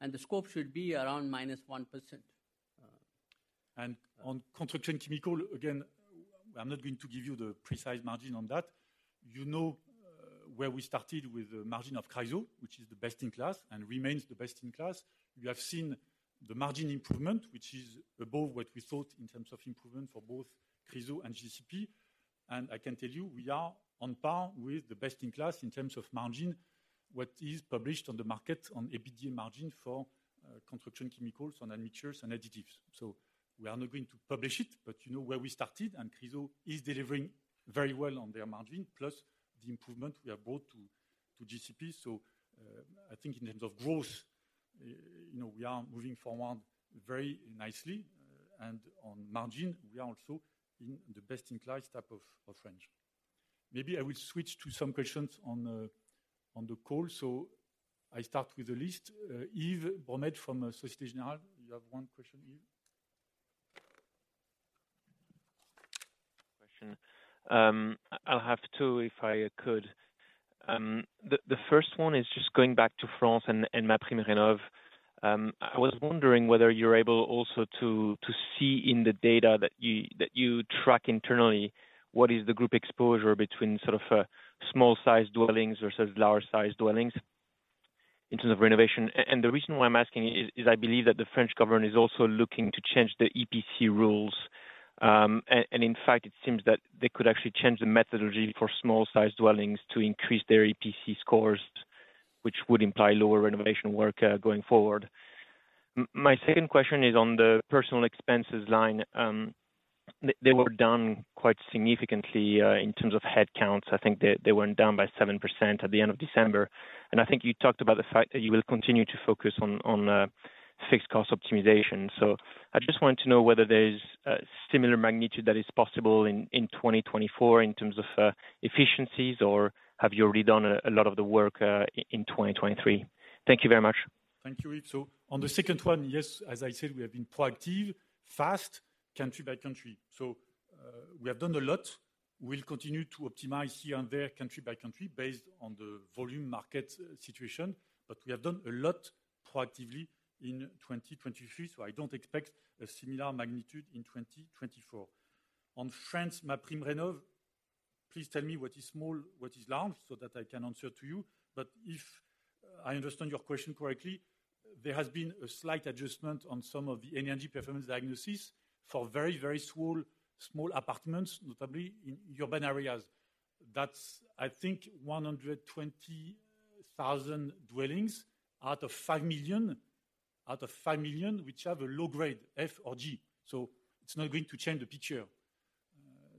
and the scope should be around -1%. On Construction Chemicals, again, I'm not going to give you the precise margin on that. You know, where we started with the margin of Chryso, which is the best-in-class and remains the best-in-class. We have seen the margin improvement, which is above what we thought in terms of improvement for both Chryso and GCP. And I can tell you, we are on par with the best-in-class in terms of margin, what is published on the market on EBITDA margin for construction chemicals, on admixtures and additives. So we are not going to publish it, but you know where we started, and Chryso is delivering very well on their margin, plus the improvement we have brought to GCP. So, I think in terms of growth, you know, we are moving forward very nicely, and on margin, we are also in the best-in-class type of range. Maybe I will switch to some questions on the call. So I start with the list. Yves Bonnet from Société Générale. You have one question, Yves? Question. I'll have two, if I could. The first one is just going back to France and MaPrimeRénov'. I was wondering whether you're able also to see in the data that you track internally, what is the group exposure between sort of small-sized dwellings versus larger-sized dwellings in terms of renovation? And the reason why I'm asking is I believe that the French government is also looking to change the EPC rules. And in fact, it seems that they could actually change the methodology for small-sized dwellings to increase their EPC scores, which would imply lower renovation work going forward. My second question is on the personal expenses line. They were down quite significantly in terms of headcounts. I think they went down by 7% at the end of December, and I think you talked about the fact that you will continue to focus on fixed cost optimization. So I just wanted to know whether there's a similar magnitude that is possible in 2024 in terms of efficiencies, or have you already done a lot of the work in 2023? Thank you very much. Thank you, Yves. So on the second one, yes, as I said, we have been proactive, fast, country by country. So, we have done a lot. We'll continue to optimize here and there, country by country, based on the volume market situation, but we have done a lot proactively in 2023, so I don't expect a similar magnitude in 2024. On France, MaPrimeRénov', please tell me what is small, what is large, so that I can answer to you. But if I understand your question correctly, there has been a slight adjustment on some of the energy performance diagnosis for very, very small, small apartments, notably in urban areas. That's, I think, 120,000 dwellings out of 5 million, out of 5 million, which have a low grade, F or G. So it's not going to change the picture.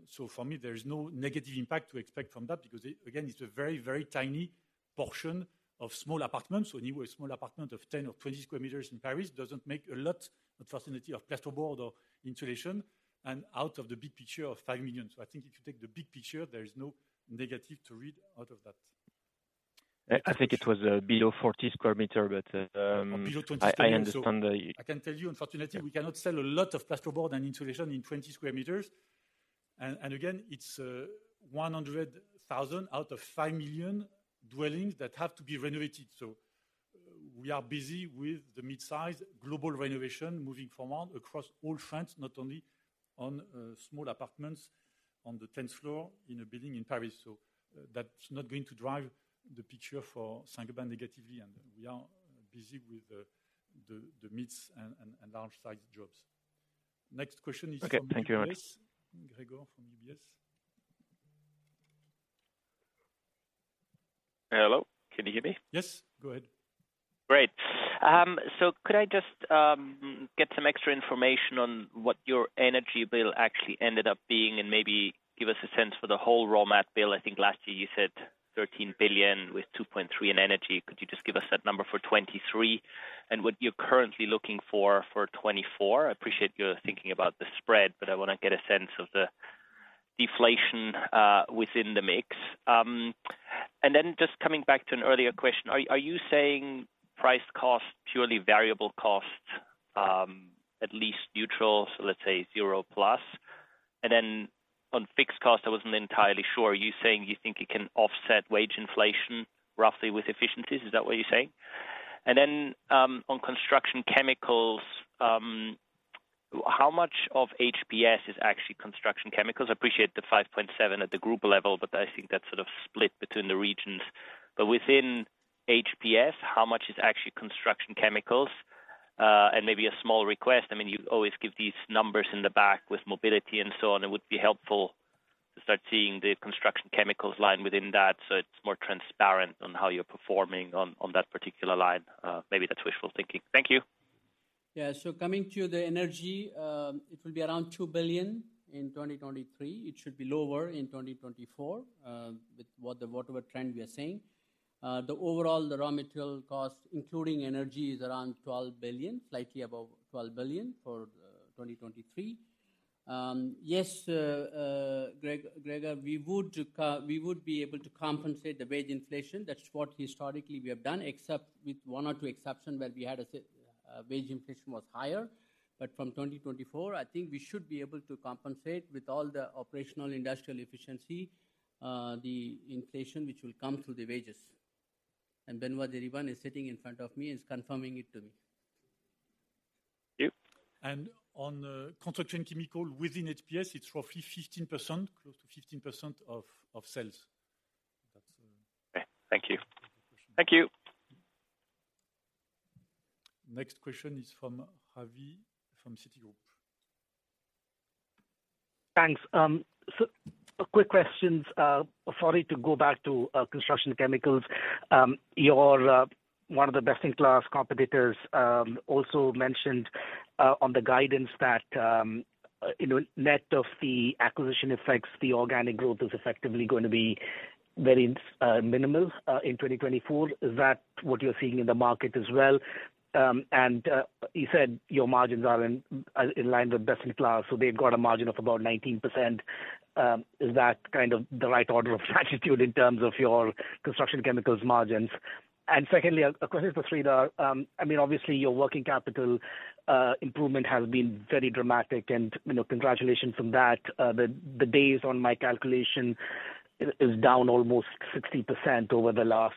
So for me, there is no negative impact to expect from that because, again, it's a very, very tiny portion of small apartments. So anyway, a small apartment of 10 or 20 square meters in Paris doesn't make a lot, unfortunately, of plasterboard or insulation and out of the big picture of 5 million. So I think if you take the big picture, there is no negative to read out of that. I think it was below 40 sq m, but Below 20 square meter. I understand the- I can tell you, unfortunately, we cannot sell a lot of plasterboard and insulation in 20 square meters. And, again, it's 100,000 out of 5 million dwellings that have to be renovated. So we are busy with the mid-size global renovation moving forward across all France, not only Paris... on small apartments on the 10th floor in a building in Paris. So that's not going to drive the picture for Saint-Gobain negatively, and we are busy with the mids and large-sized jobs. Next question is from- Okay, thank you very much. Gregor from UBS. Hello, can you hear me? Yes, go ahead. Great. So could I just get some extra information on what your energy bill actually ended up being, and maybe give us a sense for the whole raw mat bill? I think last year you said 13 billion with 2.3 billion in energy. Could you just give us that number for 2023, and what you're currently looking for for 2024? I appreciate you're thinking about the spread, but I wanna get a sense of the deflation within the mix. And then just coming back to an earlier question, are you saying price cost, purely variable costs, at least neutral, so let's say 0+? And then on fixed costs, I wasn't entirely sure. Are you saying you think you can offset wage inflation roughly with efficiencies? Is that what you're saying? And then, on Construction Chemicals, how much of HPS is actually Construction Chemicals? I appreciate the 5.7 at the group level, but I think that's sort of split between the regions. But within HPS, how much is actually Construction Chemicals? And maybe a small request, I mean, you always give these numbers in the back with mobility and so on. It would be helpful to start seeing the Construction Chemicals line within that, so it's more transparent on how you're performing on, on that particular line. Maybe that's wishful thinking. Thank you. Yeah. So coming to the energy, it will be around 2 billion in 2023. It should be lower in 2024, with whatever trend we are seeing. The overall, the raw material cost, including energy, is around 12 billion, slightly above 12 billion for 2023. Yes, Greg, Gregor, we would be able to compensate the wage inflation. That's what historically we have done, except with one or two exception, where we had wage inflation was higher. But from 2024, I think we should be able to compensate with all the operational industrial efficiency the inflation which will come through the wages. And Benoit d'Iribarne is sitting in front of me and is confirming it to me. Thank you. On Construction Chemical, within HPS, it's roughly 15%, close to 15% of, of sales. That's, Thank you. Welcome. Thank you. Next question is from Ravi, from Citigroup. Thanks. So a quick questions. Sorry, to go back to, Construction Chemicals. Your, one of the best-in-class competitors, also mentioned, on the guidance that, you know, net of the acquisition effects, the organic growth is effectively going to be very, minimal, in 2024. Is that what you're seeing in the market as well? And, you said your margins are in, in line with best-in-class, so they've got a margin of about 19%. Is that kind of the right order of magnitude in terms of your Construction Chemicals margins? And secondly, a question for Sreedhar. I mean, obviously, your working capital, improvement has been very dramatic, and, you know, congratulations on that. The days on my calculation is down almost 60% over the last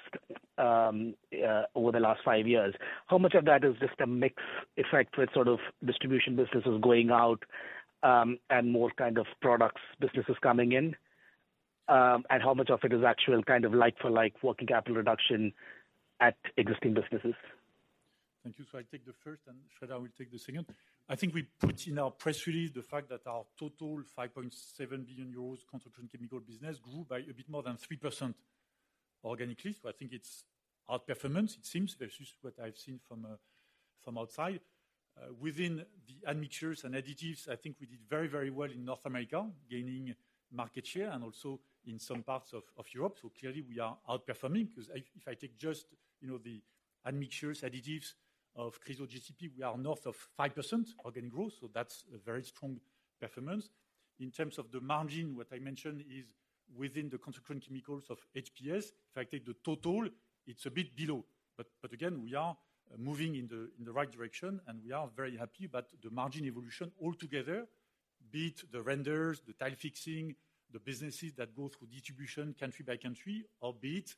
five years. How much of that is just a mix effect with sort of distribution businesses going out, and more kind of products businesses coming in? And how much of it is actual, kind of, like-for-like working capital reduction at existing businesses? Thank you. So I take the first, and Sreedhar will take the second. I think we put in our press release the fact that our total 5.7 billion euros Construction Chemical business grew by a bit more than 3% organically. So I think it's outperformance. It seems versus what I've seen from, from outside. Within the admixtures and additives, I think we did very, very well in North America, gaining market share and also in some parts of, of Europe. So clearly we are outperforming, because if, if I take just, you know, the admixtures, additives of Chryso GCP, we are north of 5% organic growth, so that's a very strong performance. In terms of the margin, what I mentioned is within the Construction Chemicals of HPS, if I take the total, it's a bit below. But again, we are moving in the right direction, and we are very happy. But the margin evolution altogether, be it the renders, the tile fixing, the businesses that go through distribution country by country, or be it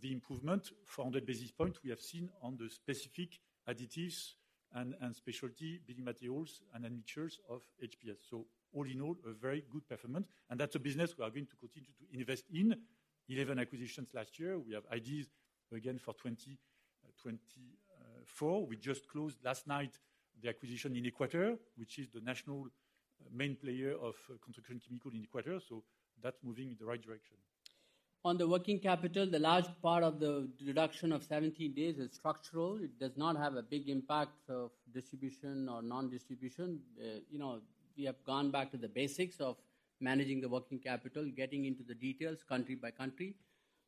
the improvement from the basis point we have seen on the specific additives and specialty building materials and admixtures of HPS. So all in all, a very good performance, and that's a business we are going to continue to invest in. 11 acquisitions last year. We have ideas again for 2024. We just closed last night the acquisition in Ecuador, which is the national main player of construction chemicals in Ecuador, so that's moving in the right direction. On the working capital, the large part of the reduction of 17 days is structural. It does not have a big impact of distribution or non-distribution. You know, we have gone back to the basics of managing the working capital, getting into the details country by country.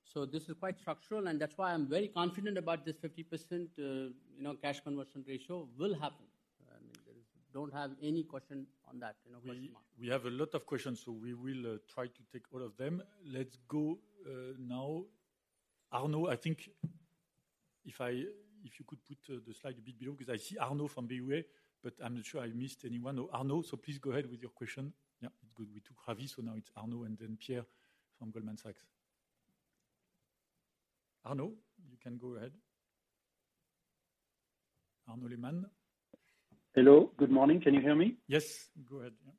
So this is quite structural, and that's why I'm very confident about this 50%, you know, cash conversion ratio will happen. I mean, there is... Don't have any question on that, you know, question mark. We have a lot of questions, so we will try to take all of them. Let's go now, Arnaud. I think if you could put the slide a bit below, because I see Arnaud from BNP Paribas, but I'm not sure I missed anyone. Oh, Arnaud, so please go ahead with your question. Yeah, it's good. We took Ravi, so now it's Arnaud and then Pierre from Goldman Sachs... Arnaud, you can go ahead. Arnaud Lehmann. Hello, good morning. Can you hear me? Yes, go ahead. Yeah.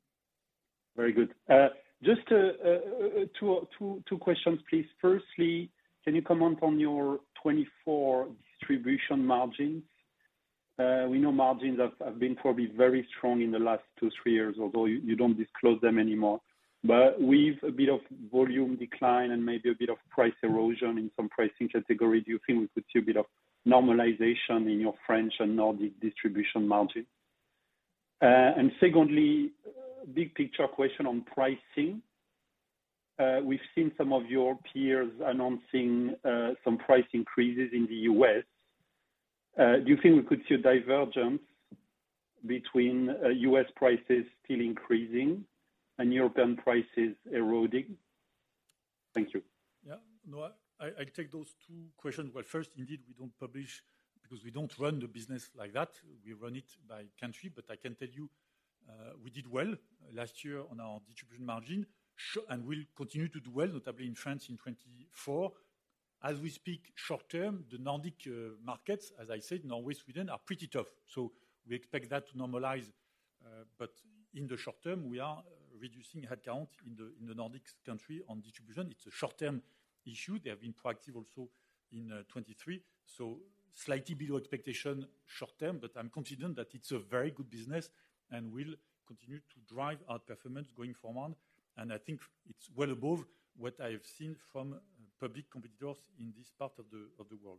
Very good. Just two questions, please. Firstly, can you comment on your 2024 distribution margins? We know margins have been probably very strong in the last two, three years, although you don't disclose them anymore. But with a bit of volume decline and maybe a bit of price erosion in some pricing category, do you think we could see a bit of normalization in your French and Nordic distribution margin? And secondly, big picture question on pricing. We've seen some of your peers announcing some price increases in the US. Do you think we could see a divergence between US prices still increasing and European prices eroding? Thank you. Yeah. No, I, I take those two questions. Well, first, indeed, we don't publish because we don't run the business like that. We run it by country. But I can tell you, we did well last year on our distribution margin, and we'll continue to do well, notably in France in 2024. As we speak, short term, the Nordic markets, as I said, Norway, Sweden, are pretty tough, so we expect that to normalize. But in the short term, we are reducing headcount in the Nordics country on distribution. It's a short-term issue. They have been proactive also in 2023. So slightly below expectation short term, but I'm confident that it's a very good business and will continue to drive our performance going forward. I think it's well above what I have seen from public competitors in this part of the world.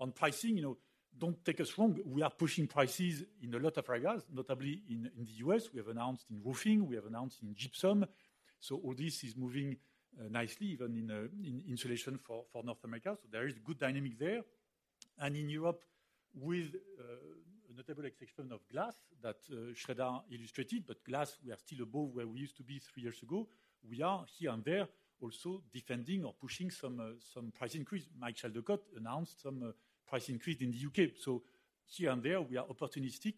On pricing, you know, don't take us wrong, we are pushing prices in a lot of regards, notably in the US, we have announced in roofing, we have announced in gypsum. So all this is moving nicely, even in insulation for North America. So there is good dynamic there. In Europe with notable exception of glass, that Sreedhar illustrated, but glass, we are still above where we used to be three years ago. We are here and there, also defending or pushing some price increase. Mike Chaldecott announced some price increase in the UK. So here and there, we are opportunistic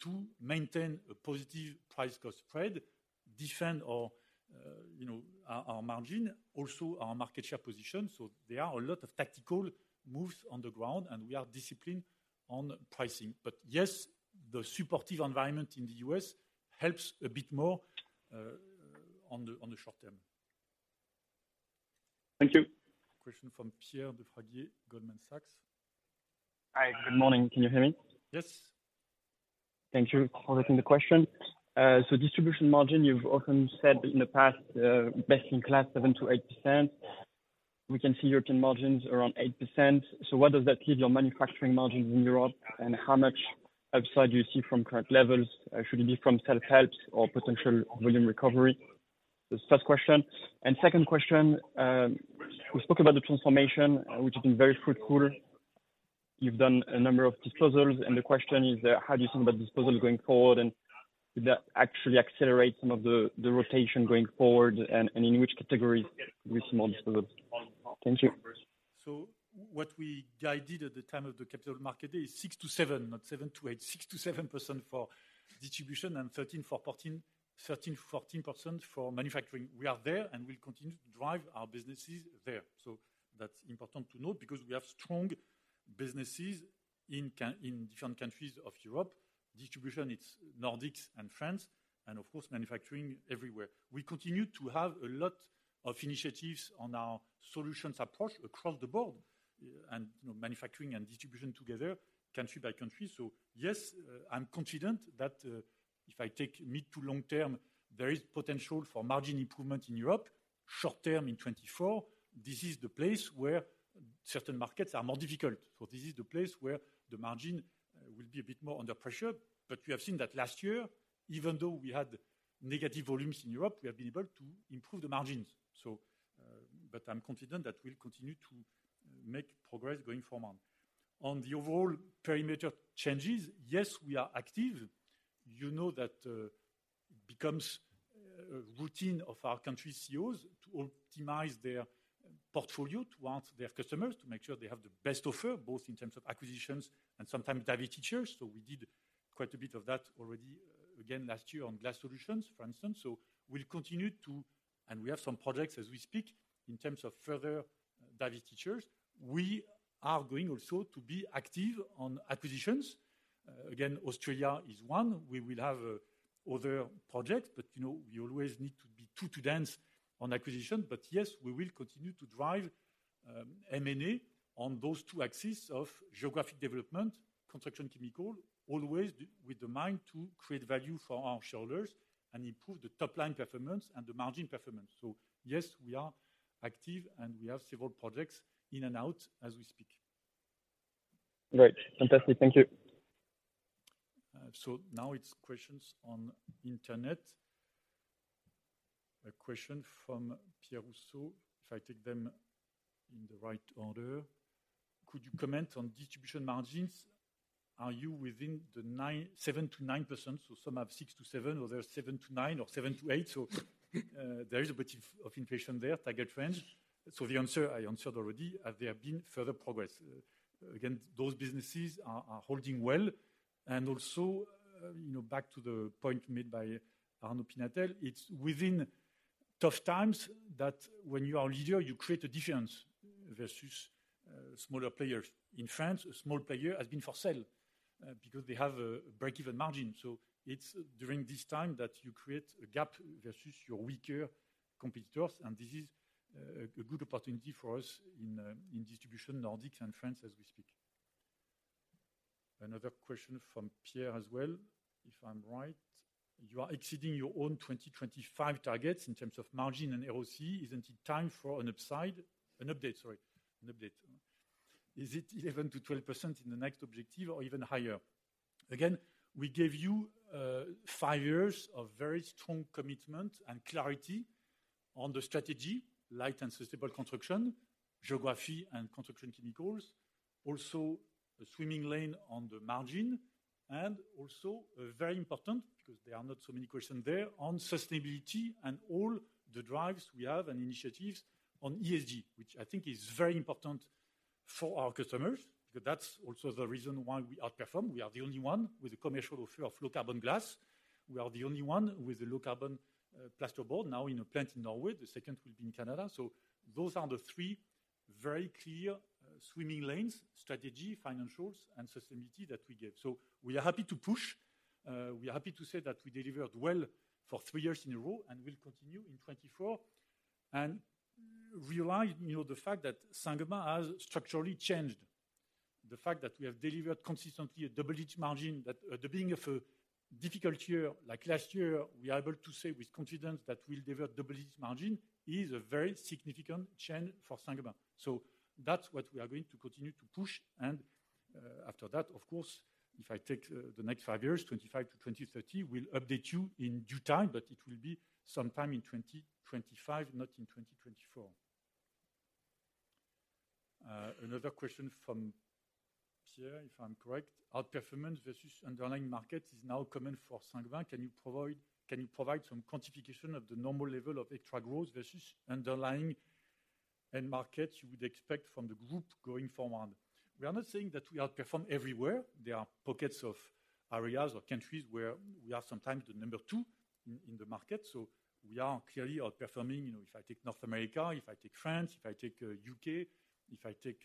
to maintain a positive price-cost spread, defend our, you know, our margin, also our market share position. So there are a lot of tactical moves on the ground, and we are disciplined on pricing. But yes, the supportive environment in the U.S. helps a bit more, on the short term. Thank you. Question from Pierre de Fraguier, Goldman Sachs. Hi, good morning. Can you hear me? Yes. Thank you for taking the question. So distribution margin, you've often said in the past, best in class, 7%-8%. We can see European margins around 8%. So what does that leave your manufacturing margins in Europe? And how much upside do you see from current levels, should it be from self-help or potential volume recovery? That's first question. And second question, we spoke about the transformation, which has been very fruitful. You've done a number of disposals, and the question is: How do you think about disposal going forward, and would that actually accelerate some of the rotation going forward, and in which categories we see more development? Thank you. So what we guided at the time of the Capital Markets Day is 6-7, not 7-8, 6%-7% for distribution and 13-14, 13%-14% for manufacturing. We are there, and we'll continue to drive our businesses there. So that's important to note because we have strong businesses in different countries of Europe. Distribution, it's Nordics and France, and of course, manufacturing everywhere. We continue to have a lot of initiatives on our solutions approach across the board and, you know, manufacturing and distribution together, country by country. So yes, I'm confident that if I take mid- to long-term, there is potential for margin improvement in Europe. Short-term, in 2024, this is the place where certain markets are more difficult. So this is the place where the margin will be a bit more under pressure. But we have seen that last year, even though we had negative volumes in Europe, we have been able to improve the margins. But I'm confident that we'll continue to make progress going forward. On the overall perimeter changes, yes, we are active. You know that, becomes a routine of our country CEOs to optimize their portfolio, to ask their customers, to make sure they have the best offer, both in terms of acquisitions and sometimes divestitures. So we did quite a bit of that already, again, last year on Glass Solutions, for instance. We'll continue to... And we have some projects as we speak, in terms of further divestitures. We are going also to be active on acquisitions. Again, Australia is one. We will have, other projects, but you know, we always need to be true to stance on acquisition. But yes, we will continue to drive M&A on those two axes of geographic development, construction, chemical, always with the mind to create value for our shareholders and improve the top line performance and the margin performance. So yes, we are active, and we have several projects in and out as we speak. Great. Fantastic. Thank you. So now it's questions on internet. A question from Pierre Rousseau, if I take them in the right order. Could you comment on distribution margins? Are you within the 7%-9%? So some have 6%-7%, or there are 7%-9%, or 7%-8%. So there is a bit of inflation there, target range. So the answer I answered already, there have been further progress. Again, those businesses are holding well. And also, you know, back to the point made by Arnaud Pinatel, it's within tough times that when you are a leader, you create a difference versus smaller players. In France, a small player has been for sale because they have a break-even margin. So it's during this time that you create a gap versus your weaker competitors, and this is a good opportunity for us in distribution, Nordics and France, as we speak. Another question from Pierre as well, if I'm right: "You are exceeding your own 2025 targets in terms of margin and ROC. Isn't it time for an upside—an update, sorry, an update. Is it 11%-12% in the next objective or even higher?" Again, we gave you five years of very strong commitment and clarity on the strategy, light and sustainable construction, geography and construction chemicals. Also, a swimming lane on the margin, and also, very important, because there are not so many questions there, on sustainability and all the drives we have and initiatives on ESG, which I think is very important for our customers, because that's also the reason why we outperform. We are the only one with a commercial offer of low-carbon glass. We are the only one with a low-carbon plasterboard now in a plant in Norway. The second will be in Canada. So those are the three very clear swimming lanes: strategy, financials, and sustainability that we gave. So we are happy to push. We are happy to say that we delivered well for three years in a row and will continue in 2024. And realize, you know, the fact that Saint-Gobain has structurally changed. The fact that we have delivered consistently a double-digit margin, that at the beginning of a difficult year, like last year, we are able to say with confidence that we'll deliver double-digit margin is a very significant change for Saint-Gobain. So that's what we are going to continue to push. And, after that, of course, if I take the next five years, 2025 to 2030, we'll update you in due time, but it will be sometime in 2025, not in 2024. Another question from Pierre, if I'm correct. "Outperformance versus underlying markets is now common for Saint-Gobain. Can you provide, can you provide some quantification of the normal level of extra growth versus underlying end markets you would expect from the group going forward?" We are not saying that we outperform everywhere. There are pockets of areas or countries where we are sometimes the number 2 in, in the market, so we are clearly outperforming. You know, if I take North America, if I take France, if I take U.K., if I take,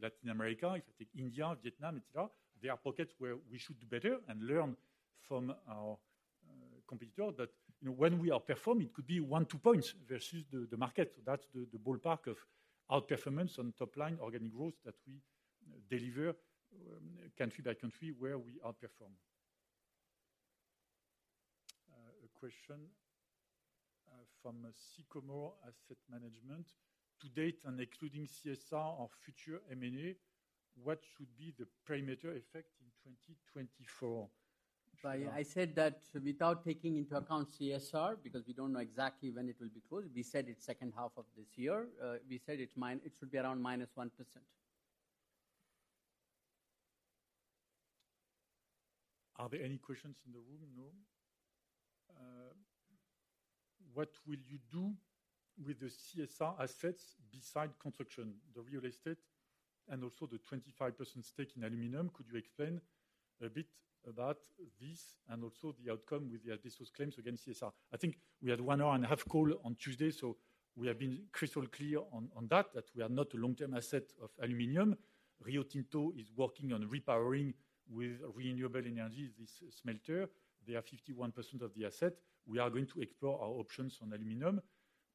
Latin America, if I take India, Vietnam, etcetera, there are pockets where we should do better and learn from our, competitor. But, you know, when we outperform, it could be 1, 2 points versus the, the market. So that's the, the ballpark of outperformance on top line organic growth that we deliver country by country, where we outperform. A question, from Sycamore Asset Management: "To date, and excluding CSR or future M&A, what should be the parameter effect in 2024? I said that without taking into account CSR, because we don't know exactly when it will be closed. We said it's second half of this year. We said it should be around -1%. Are there any questions in the room? No. What will you do with the CSR assets besides construction, the real estate, and also the 25% stake in aluminum? Could you explain a bit about this and also the outcome with the asbestos claims against CSR? I think we had 1 hour and a half call on Tuesday, so we have been crystal clear on that we are not a long-term asset of aluminum. Rio Tinto is working on repowering with renewable energy, this smelter. They are 51% of the asset. We are going to explore our options on aluminum.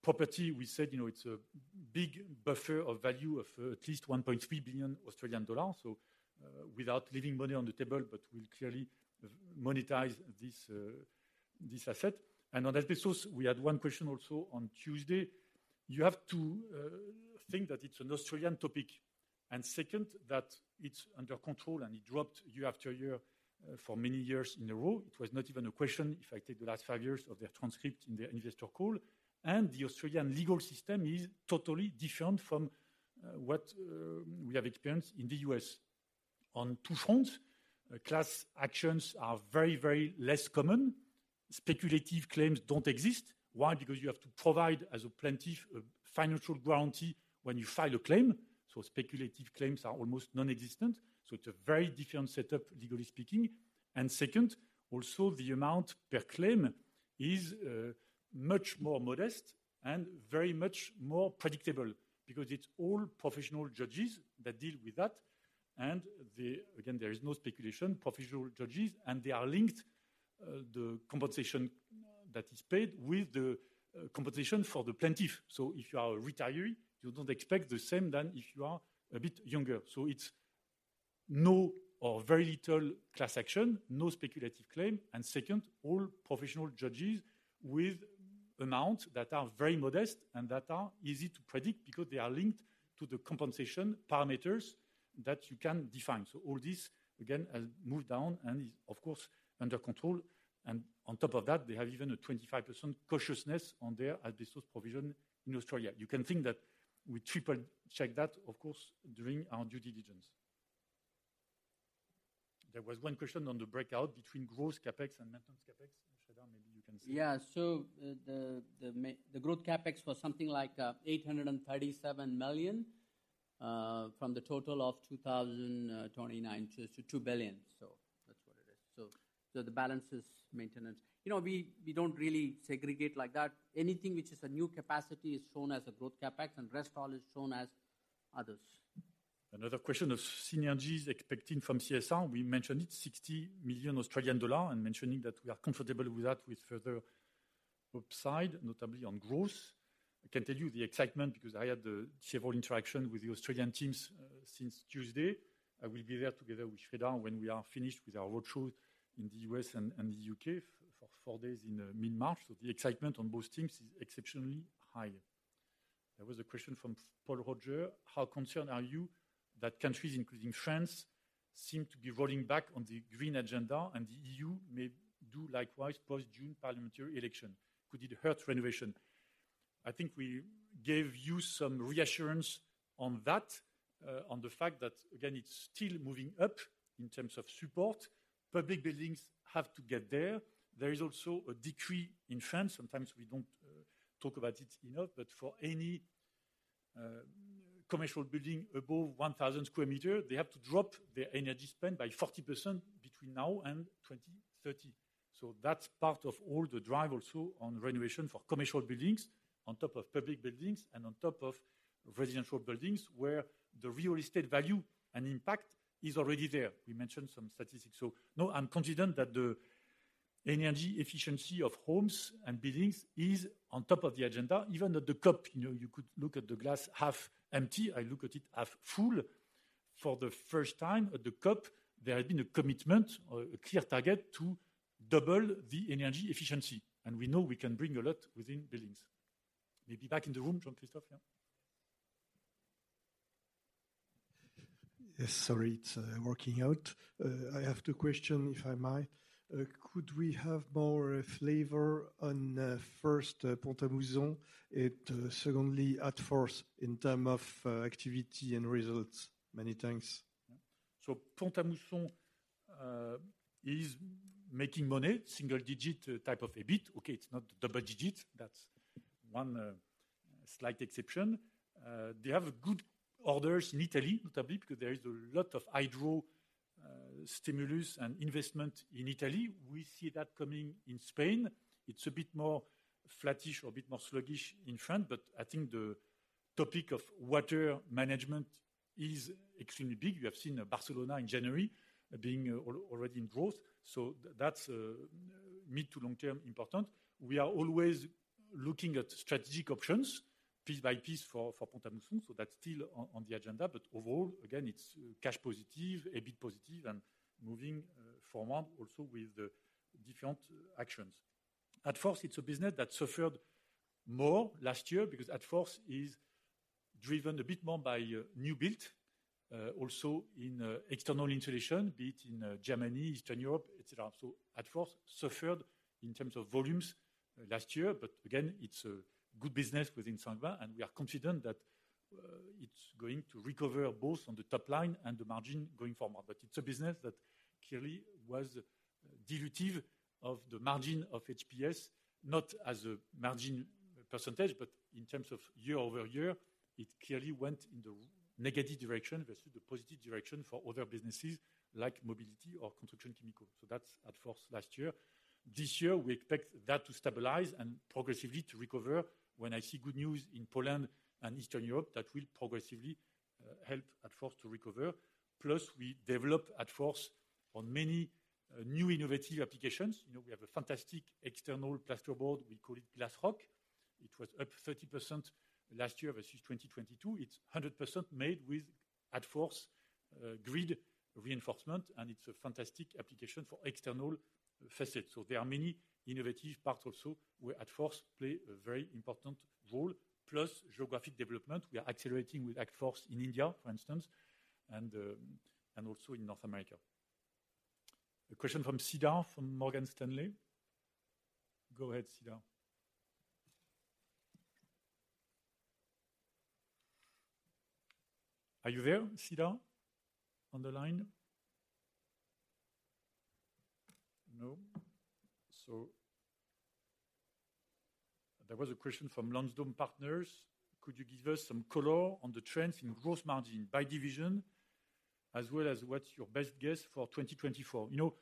Property, we said, you know, it's a big buffer of value of at least 1.3 billion Australian dollars, so without leaving money on the table, but we'll clearly monetize this asset. And on asbestos, we had 1 question also on Tuesday. You have to think that it's an Australian topic, and second, that it's under control, and it dropped year after year for many years in a row. It was not even a question if I take the last five years of their transcript in the investor call, and the Australian legal system is totally different from what we have experienced in the U.S. On two fronts, class actions are very, very less common. Speculative claims don't exist. Why? Because you have to provide, as a plaintiff, a financial guarantee when you file a claim, so speculative claims are almost non-existent. So it's a very different setup, legally speaking. And second, also, the amount per claim is much more modest and very much more predictable because it's all professional judges that deal with that. And the... Again, there is no speculation, professional judges, and they are linked, the compensation that is paid with the compensation for the plaintiff. So if you are a retiree, you don't expect the same than if you are a bit younger. So it's no or very little class action, no speculative claim, and second, all professional judges with amounts that are very modest and that are easy to predict because they are linked to the compensation parameters that you can define. So all this, again, has moved down and is, of course, under control, and on top of that, they have even a 25% cautiousness on their asbestos provision in Australia. You can think that we triple-check that, of course, during our due diligence. There was one question on the breakout between gross CapEx and maintenance CapEx. Sreedhar, maybe you can see. Yeah. So the growth CapEx was something like 837 million from the total of 2,029 million, so 2 billion. So the balance is maintenance. You know, we don't really segregate like that. Anything which is a new capacity is shown as a growth CapEx, and rest all is shown as others. Another question of synergies expecting from CSR. We mentioned it, 60 million Australian dollars, and mentioning that we are comfortable with that with further upside, notably on growth. I can tell you the excitement because I had several interaction with the Australian teams since Tuesday. I will be there together with Fred when we are finished with our roadshow in the US and the UK for four days in mid-March. So the excitement on both teams is exceptionally high. There was a question from Paul Roger: How concerned are you that countries, including France, seem to be rolling back on the green agenda, and the EU may do likewise post-June parliamentary election? Could it hurt renovation? I think we gave you some reassurance on that on the fact that, again, it's still moving up in terms of support. Public buildings have to get there. There is also a decree in France. Sometimes we don't talk about it enough, but for any commercial building above 1,000 square meter, they have to drop their energy spend by 40% between now and 2030. So that's part of all the drive also on renovation for commercial buildings, on top of public buildings and on top of residential buildings, where the real estate value and impact is already there. We mentioned some statistics. So no, I'm confident that the energy efficiency of homes and buildings is on top of the agenda, even at the COP. You know, you could look at the glass half empty. I look at it half full. For the first time at the COP, there had been a commitment or a clear target to double the energy efficiency, and we know we can bring a lot within buildings. Maybe back in the room, Jean-Christophe, yeah? Yes, sorry, it's working out. I have two question, if I may. Could we have more flavor on first, Pont-à-Mousson and secondly, at force in term of activity and results? Many thanks. So Pont-à-Mousson is making money, single digit type of EBIT. Okay, it's not double digit. That's one slight exception. They have good orders in Italy, notably because there is a lot of hydro stimulus and investment in Italy. We see that coming in Spain. It's a bit more flattish or a bit more sluggish in France, but I think the topic of water management is extremely big. You have seen Barcelona in January being already in growth, so that's a mid to long-term important. We are always looking at strategic options piece by piece for Pont-à-Mousson, so that's still on the agenda, but overall, again, it's cash positive, EBIT positive, and moving forward also with the different actions. Adfors, it's a business that suffered more last year because Adfors is driven a bit more by new build, also in external insulation, be it in Germany, Eastern Europe, et cetera. So Adfors suffered in terms of volumes last year, but again, it's a good business within Saint-Gobain, and we are confident that it's going to recover both on the top line and the margin going forward. But it's a business that clearly was dilutive of the margin of HPS, not as a margin percentage, but in terms of year-over-year, it clearly went in the negative direction versus the positive direction for other businesses like mobility or construction chemical. So that's Adfors last year. This year, we expect that to stabilize and progressively to recover. When I see good news in Poland and Eastern Europe, that will progressively help Adfors to recover. Plus, we develop Adfors on many new innovative applications. You know, we have a fantastic external plasterboard. We call it Glasroc. It was up 30% last year versus 2022. It's 100% made with Adfors grid reinforcement, and it's a fantastic application for external facades. So there are many innovative parts also, where Adfors plays a very important role, plus geographic development. We are accelerating with Adfors in India, for instance, and and also in North America. A question from Cedar from Morgan Stanley. Go ahead, Cedar. Are you there, Cedar, on the line? No. There was a question from Lansdowne Partners: Could you give us some color on the trends in gross margin by division, as well as what's your best guess for 2024? You know,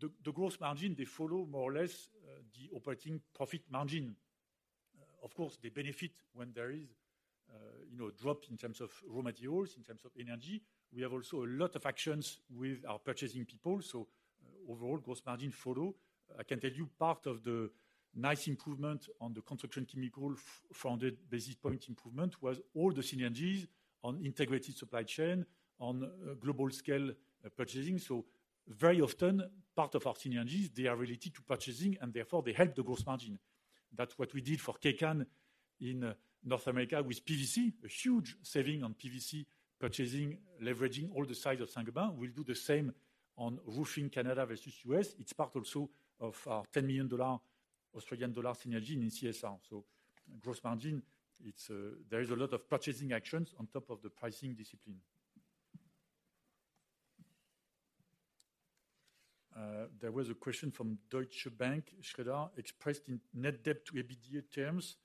the, the gross margin, they follow more or less, the operating profit margin. Of course, they benefit when there is, you know, drop in terms of raw materials, in terms of energy. We have also a lot of actions with our purchasing people, so overall, gross margin follow. I can tell you part of the nice improvement on the construction chemicals, the 100 basis point improvement was all the synergies on integrated supply chain, on global scale purchasing. So very often, part of our synergies, they are related to purchasing, and therefore they help the gross margin. That's what we did for Kaycan in, North America with PVC. A huge saving on PVC purchasing, leveraging all the size of Saint-Gobain. We'll do the same on roofing Canada versus U.S. It's part also of our 10 million Australian dollar synergy in CSR. So gross margin, it's a, there is a lot of purchasing actions on top of the pricing discipline. There was a question from Deutsche Bank, Schreder: Expressed in net debt to EBITDA terms...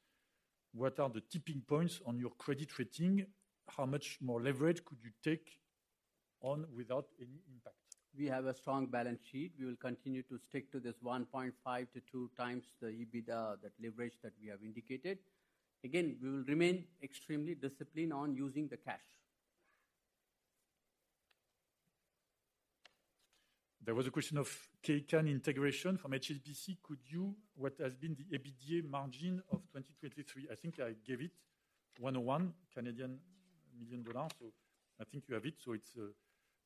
What are the tipping points on your credit rating? How much more leverage could you take on without any impact? We have a strong balance sheet. We will continue to stick to this 1.5-2 times the EBITDA, that leverage that we have indicated. Again, we will remain extremely disciplined on using the cash. There was a question of Kaycan integration from HSBC: Could you, what has been the EBITDA margin of 2023? I think I gave it, 101 million dollars. So I think you have it. So it's,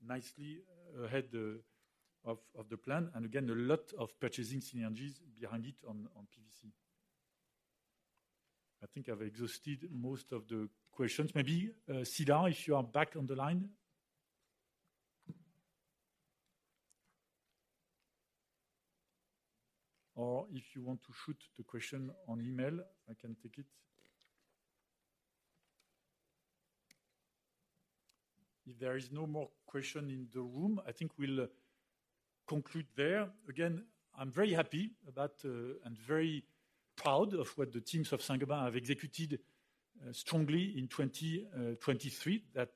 nicely ahead of, of the plan. And again, a lot of purchasing synergies behind it on, on PVC. I think I've exhausted most of the questions. Maybe, Sreedhar, if you are back on the line? Or if you want to shoot the question on email, I can take it. If there is no more question in the room, I think we'll conclude there. Again, I'm very happy about, and very proud of what the teams of Saint-Gobain have executed, strongly in 2023. That,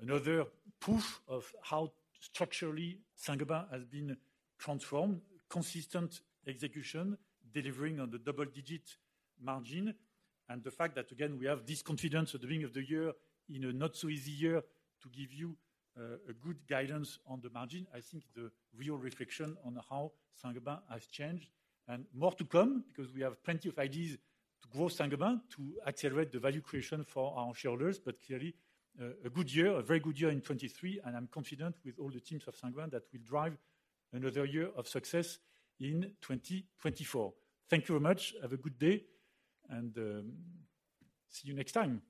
another proof of how structurally Saint-Gobain has been transformed, consistent execution, delivering on the double-digit margin, and the fact that, again, we have this confidence at the beginning of the year in a not so easy year to give you, a good guidance on the margin. I think the real reflection on how Saint-Gobain has changed and more to come because we have plenty of ideas to grow Saint-Gobain, to accelerate the value creation for our shareholders. But clearly, a good year, a very good year in 2023, and I'm confident with all the teams of Saint-Gobain that we'll drive another year of success in 2024. Thank you very much. Have a good day and, see you next time.